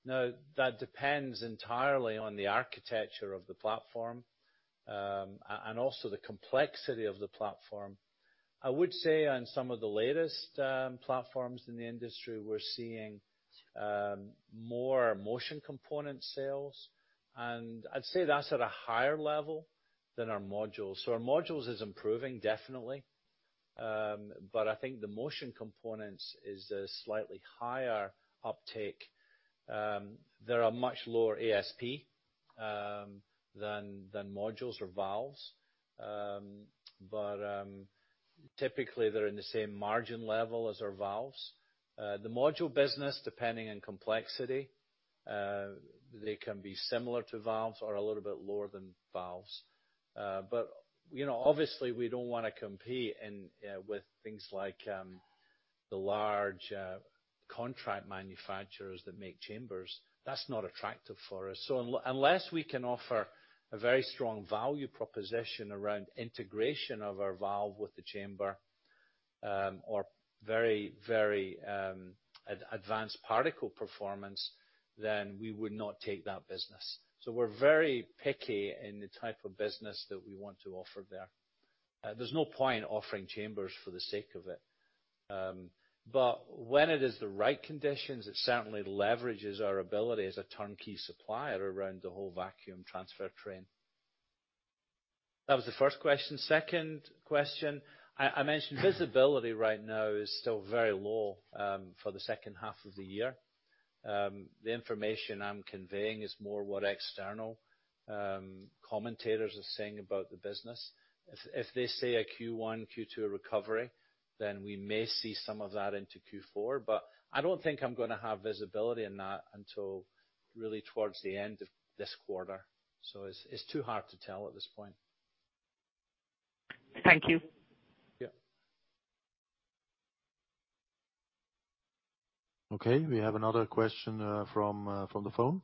That depends entirely on the architecture of the platform, and also the complexity of the platform. I would say on some of the latest platforms in the industry, we're seeing more motion component sales, and I'd say that's at a higher level than our modules. Our modules is improving, definitely. I think the motion components is a slightly higher uptake. They are much lower ASP than modules or valves. Typically, they're in the same margin level as our valves. The module business, depending on complexity, they can be similar to valves or a little bit lower than valves. Obviously, we don't want to compete with things like the large contract manufacturers that make chambers. That's not attractive for us. Unless we can offer a very strong value proposition around integration of our valve with the chamber, or very, very advanced particle performance, then we would not take that business. We're very picky in the type of business that we want to offer there. There's no point offering chambers for the sake of it. When it is the right conditions, it certainly leverages our ability as a turnkey supplier around the whole vacuum transfer trend. That was the first question. Second question, I mentioned visibility right now is still very low for the second half of the year. The information I'm conveying is more what external commentators are saying about the business. If they say a Q1, Q2 recovery, then we may see some of that into Q4, but I don't think I'm gonna have visibility on that until really towards the end of this quarter. It's too hard to tell at this point. Thank you. Yeah. Okay. We have another question from the phone.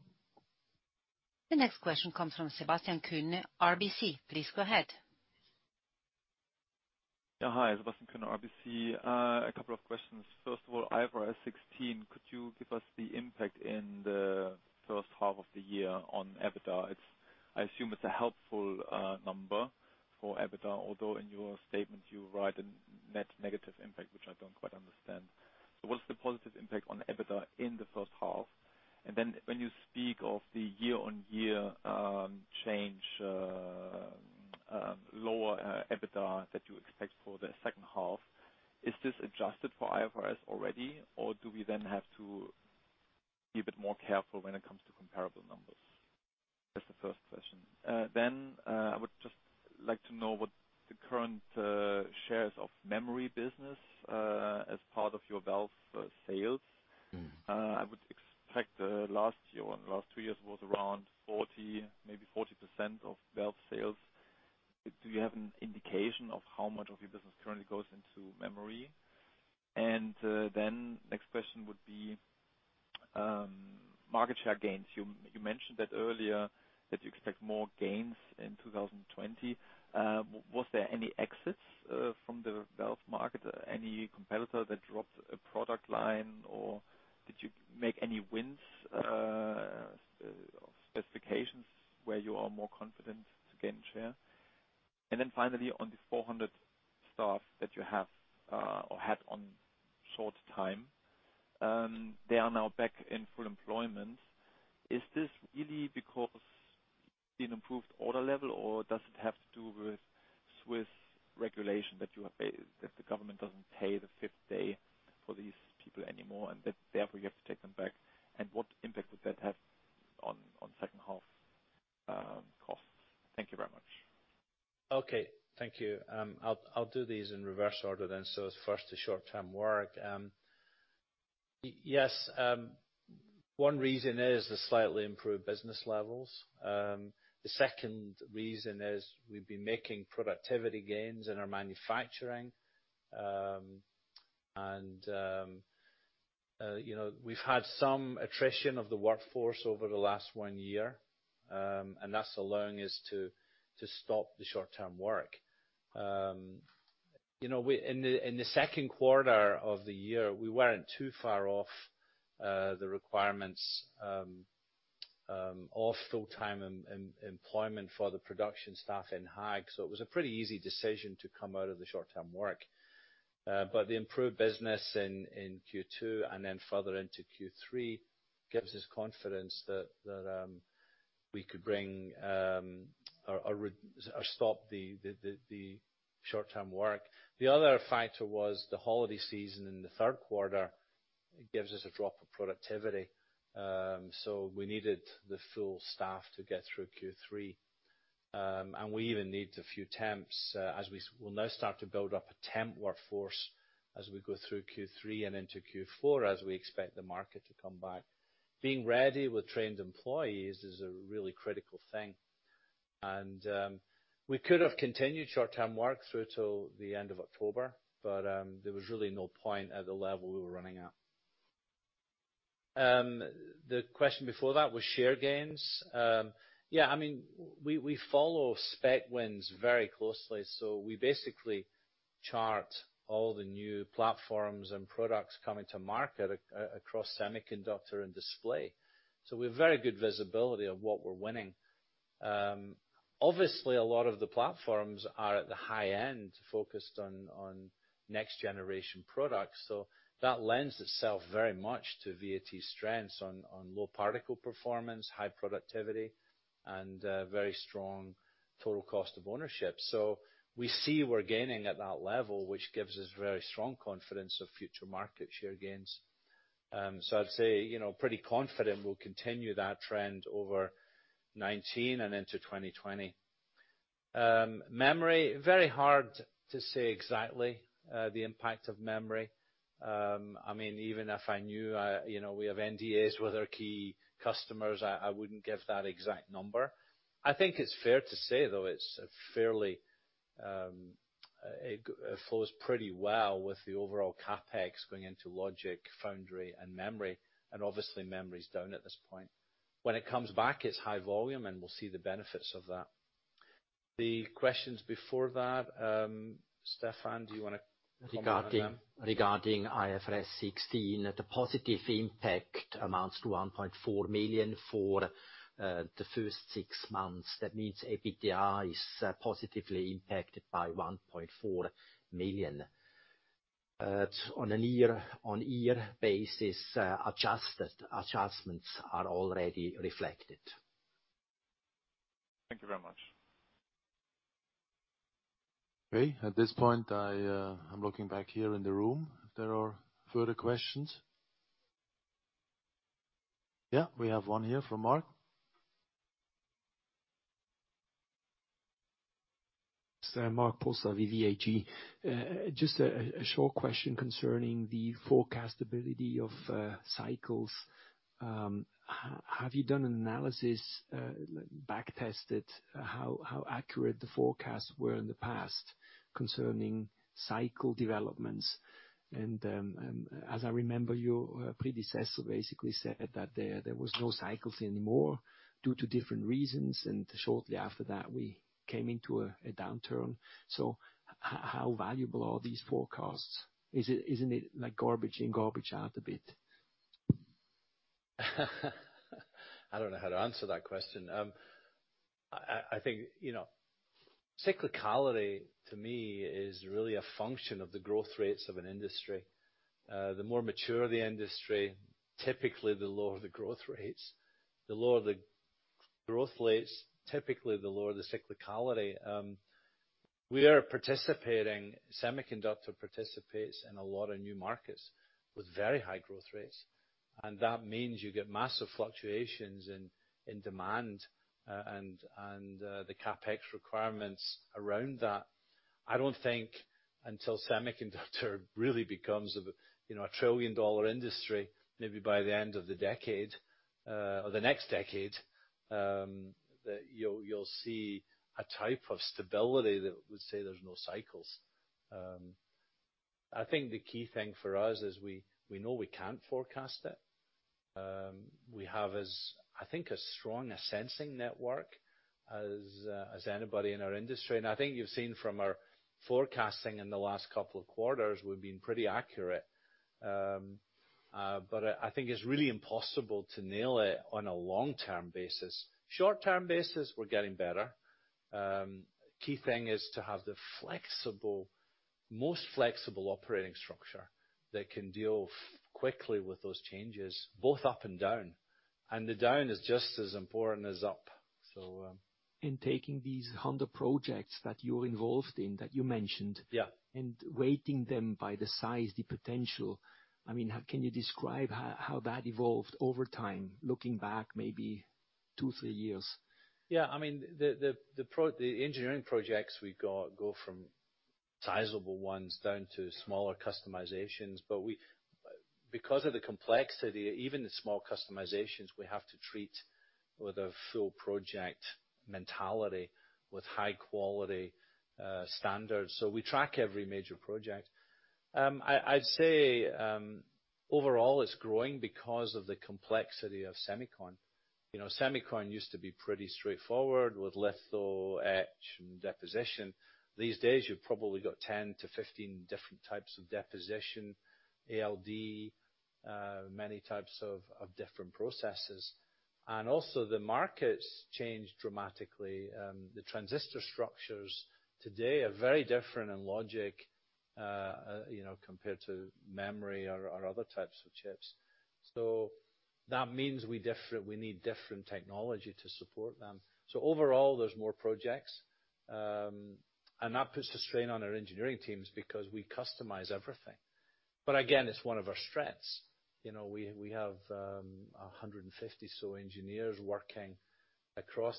The next question comes from Sebastian Kuenne, RBC. Please go ahead. Hi. Sebastian Kuenne, RBC. A couple of questions. First of all, IFRS 16, could you give us the impact in the first half of the year on EBITDA? I assume it's a helpful number for EBITDA, although in your statement you write a net negative impact, which I don't quite understand. What is the positive impact on EBITDA in the first half? When you speak of the year-over-year change, lower EBITDA that you expect for the second half, is this adjusted for IFRS already, or do we then have to be a bit more careful when it comes to comparable numbers? That's the first question. I would just like to know what the current shares of memory business as part of your valve sales. I would expect last year or the last two years was around maybe 40% of valve sales. Do you have an indication of how much of your business currently goes into memory? Next question would be market share gains. You mentioned that earlier that you expect more gains in 2020. Was there any exits from the valve market? Any competitor that dropped a product line, or did you make any wins of specifications where you are more confident to gain share? Finally, on the 400 staff that you have or had on short time, they are now back in full employment. Is this really because the improved order level or does it have to do with Swiss regulation that the government doesn't pay the fifth day for these people anymore, and therefore you have to take them back? What impact would that have on second half costs? Thank you very much. Okay. Thank you. I'll do these in reverse order then. First, the short-term work. Yes, one reason is the slightly improved business levels. The second reason is we've been making productivity gains in our manufacturing. We've had some attrition of the workforce over the last one year, and that's allowing us to stop the short-term work. In the second quarter of the year, we weren't too far off the requirements of full-time employment for the production staff in Haag. It was a pretty easy decision to come out of the short-term work. The improved business in Q2 and then further into Q3 gives us confidence that we could bring or stop the short-term work. The other factor was the holiday season in the third quarter, it gives us a drop of productivity. We needed the full staff to get through Q3. We even need a few temps as we'll now start to build up a temp workforce as we go through Q3 and into Q4, as we expect the market to come back. Being ready with trained employees is a really critical thing. We could have continued short-term work through till the end of October, but there was really no point at the level we were running at. The question before that was share gains. Yeah, we follow spec wins very closely. We basically chart all the new platforms and products coming to market across semiconductor and display. We have very good visibility of what we're winning. Obviously, a lot of the platforms are at the high end, focused on next generation products. That lends itself very much to VAT's strengths on low particle performance, high productivity, and very strong total cost of ownership. We see we're gaining at that level, which gives us very strong confidence of future market share gains. I'd say, pretty confident we'll continue that trend over 2019 and into 2020. Memory, very hard to say exactly the impact of memory. Even if I knew, we have NDAs with our key customers, I wouldn't give that exact number. I think it's fair to say, though, it flows pretty well with the overall CapEx going into logic, foundry, and memory, and obviously memory is down at this point. When it comes back, it's high volume, and we'll see the benefits of that. The questions before that, Stephan, do you want to comment on them? Regarding IFRS 16, the positive impact amounts to 1.4 million for the first six months. That means EBITDA is positively impacted by 1.4 million. On year-on-year basis, adjustments are already reflected. Thank you very much. Okay. At this point, I'm looking back here in the room. There are further questions. We have one here from Mark. Mark Pulsar with VAT Group. Just a short question concerning the forecast ability of cycles. Have you done an analysis, back-tested how accurate the forecasts were in the past concerning cycle developments? As I remember, your predecessor basically said that there was no cycles anymore due to different reasons, and shortly after that, we came into a downturn. How valuable are these forecasts? Isn't it like garbage in, garbage out a bit? I don't know how to answer that question. I think cyclicality, to me, is really a function of the growth rates of an industry. The more mature the industry, typically the lower the growth rates. The lower the growth rates, typically the lower the cyclicality. Semiconductor participates in a lot of new markets with very high growth rates, that means you get massive fluctuations in demand and the CapEx requirements around that. I don't think until semiconductor really becomes a trillion-dollar industry, maybe by the end of the next decade, that you'll see a type of stability that would say there's no cycles. I think the key thing for us is we know we can't forecast it. We have, I think, as strong a sensing network as anybody in our industry. I think you've seen from our forecasting in the last couple of quarters, we've been pretty accurate. I think it's really impossible to nail it on a long-term basis. Short-term basis, we're getting better. Key thing is to have the most flexible operating structure that can deal quickly with those changes, both up and down, and the down is just as important as up. In taking these 100 projects that you're involved in, that you mentioned. Yeah Weighting them by the size, the potential. Can you describe how that evolved over time, looking back maybe two, three years? The engineering projects we got go from sizable ones down to smaller customizations, but because of the complexity, even the small customizations, we have to treat with a full project mentality with high-quality standards. We track every major project. I'd say, overall, it's growing because of the complexity of semicon. Semicon used to be pretty straightforward with litho, etch, and deposition. These days, you've probably got 10 to 15 different types of deposition, ALD, many types of different processes. The market's changed dramatically. The transistor structures today are very different in logic compared to memory or other types of chips. That means we need different technology to support them. Overall, there's more projects. That puts the strain on our engineering teams because we customize everything. Again, it's one of our strengths. We have 150 or so engineers working across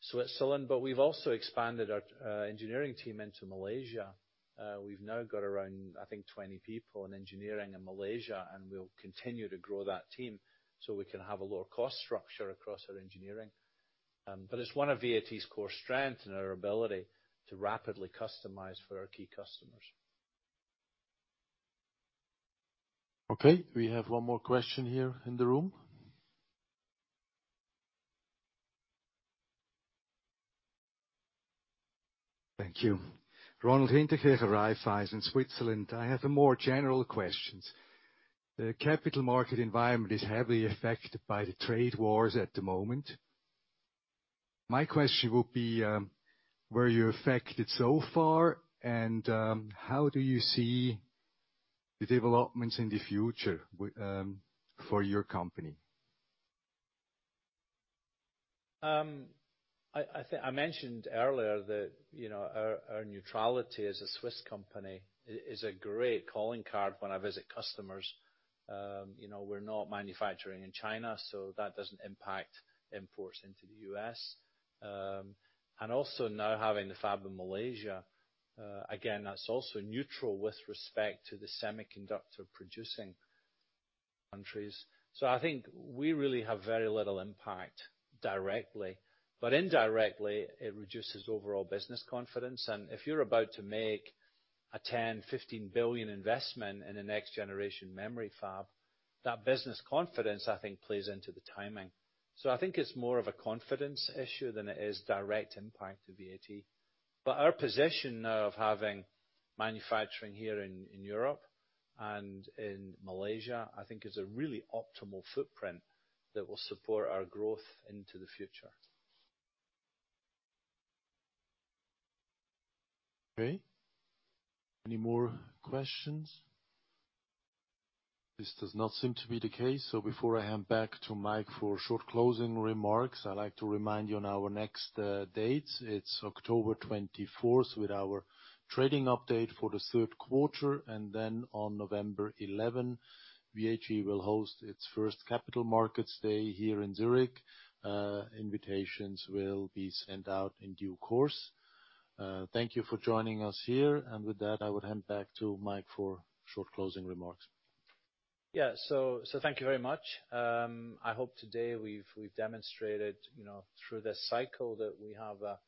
Switzerland, we've also expanded our engineering team into Malaysia. We've now got around, I think, 20 people in engineering in Malaysia, we'll continue to grow that team so we can have a lower cost structure across our engineering. It's one of VAT's core strength and our ability to rapidly customize for our key customers. Okay, we have one more question here in the room. Thank you. Ronald Hinteregger, Raiffeisen, Switzerland. I have a more general question. The capital market environment is heavily affected by the trade wars at the moment. My question would be, were you affected so far, and how do you see the developments in the future for your company? I mentioned earlier that our neutrality as a Swiss company is a great calling card when I visit customers. We're not manufacturing in China, so that doesn't impact imports into the U.S. Also now having the fab in Malaysia, again, that's also neutral with respect to the semiconductor-producing countries. I think we really have very little impact directly, but indirectly, it reduces overall business confidence. If you're about to make a 10 billion-15 billion investment in a next-generation memory fab, that business confidence, I think, plays into the timing. I think it's more of a confidence issue than it is direct impact to VAT. Our position now of having manufacturing here in Europe and in Malaysia, I think is a really optimal footprint that will support our growth into the future. Any more questions? This does not seem to be the case. Before I hand back to Mike for short closing remarks, I'd like to remind you on our next dates. It is October 24th with our trading update for the third quarter, on November 11, VAT will host its first capital markets day here in Zurich. Invitations will be sent out in due course. Thank you for joining us here. With that, I would hand back to Mike for short closing remarks. Yeah. Thank you very much. I hope today we've demonstrated through this cycle that we have a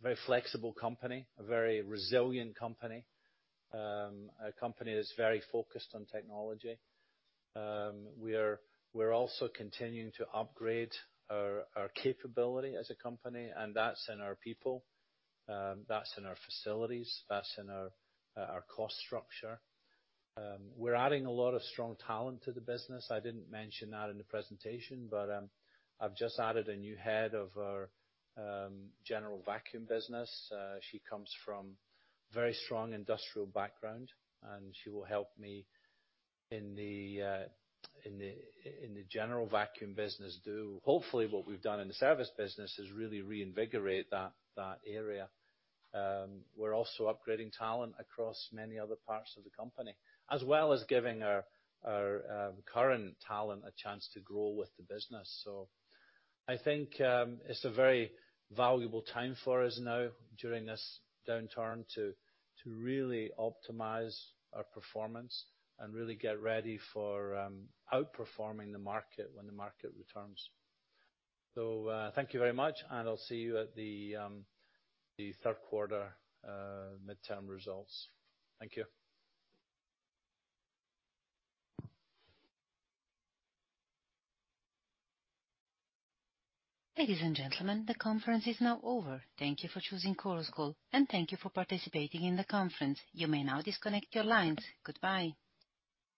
very flexible company, a very resilient company, a company that's very focused on technology. We're also continuing to upgrade our capability as a company, and that's in our people, that's in our facilities, that's in our cost structure. We're adding a lot of strong talent to the business. I didn't mention that in the presentation. I've just added a new head of our general vacuum business. She comes from very strong industrial background. She will help me in the general vacuum business do, hopefully, what we've done in the service business, is really reinvigorate that area. We're also upgrading talent across many other parts of the company, as well as giving our current talent a chance to grow with the business. I think it's a very valuable time for us now during this downturn to really optimize our performance and really get ready for outperforming the market when the market returns. Thank you very much, and I'll see you at the third quarter midterm results. Thank you. Ladies and gentlemen, the conference is now over. Thank you for choosing Chorus Call, and thank you for participating in the conference. You may now disconnect your lines. Goodbye.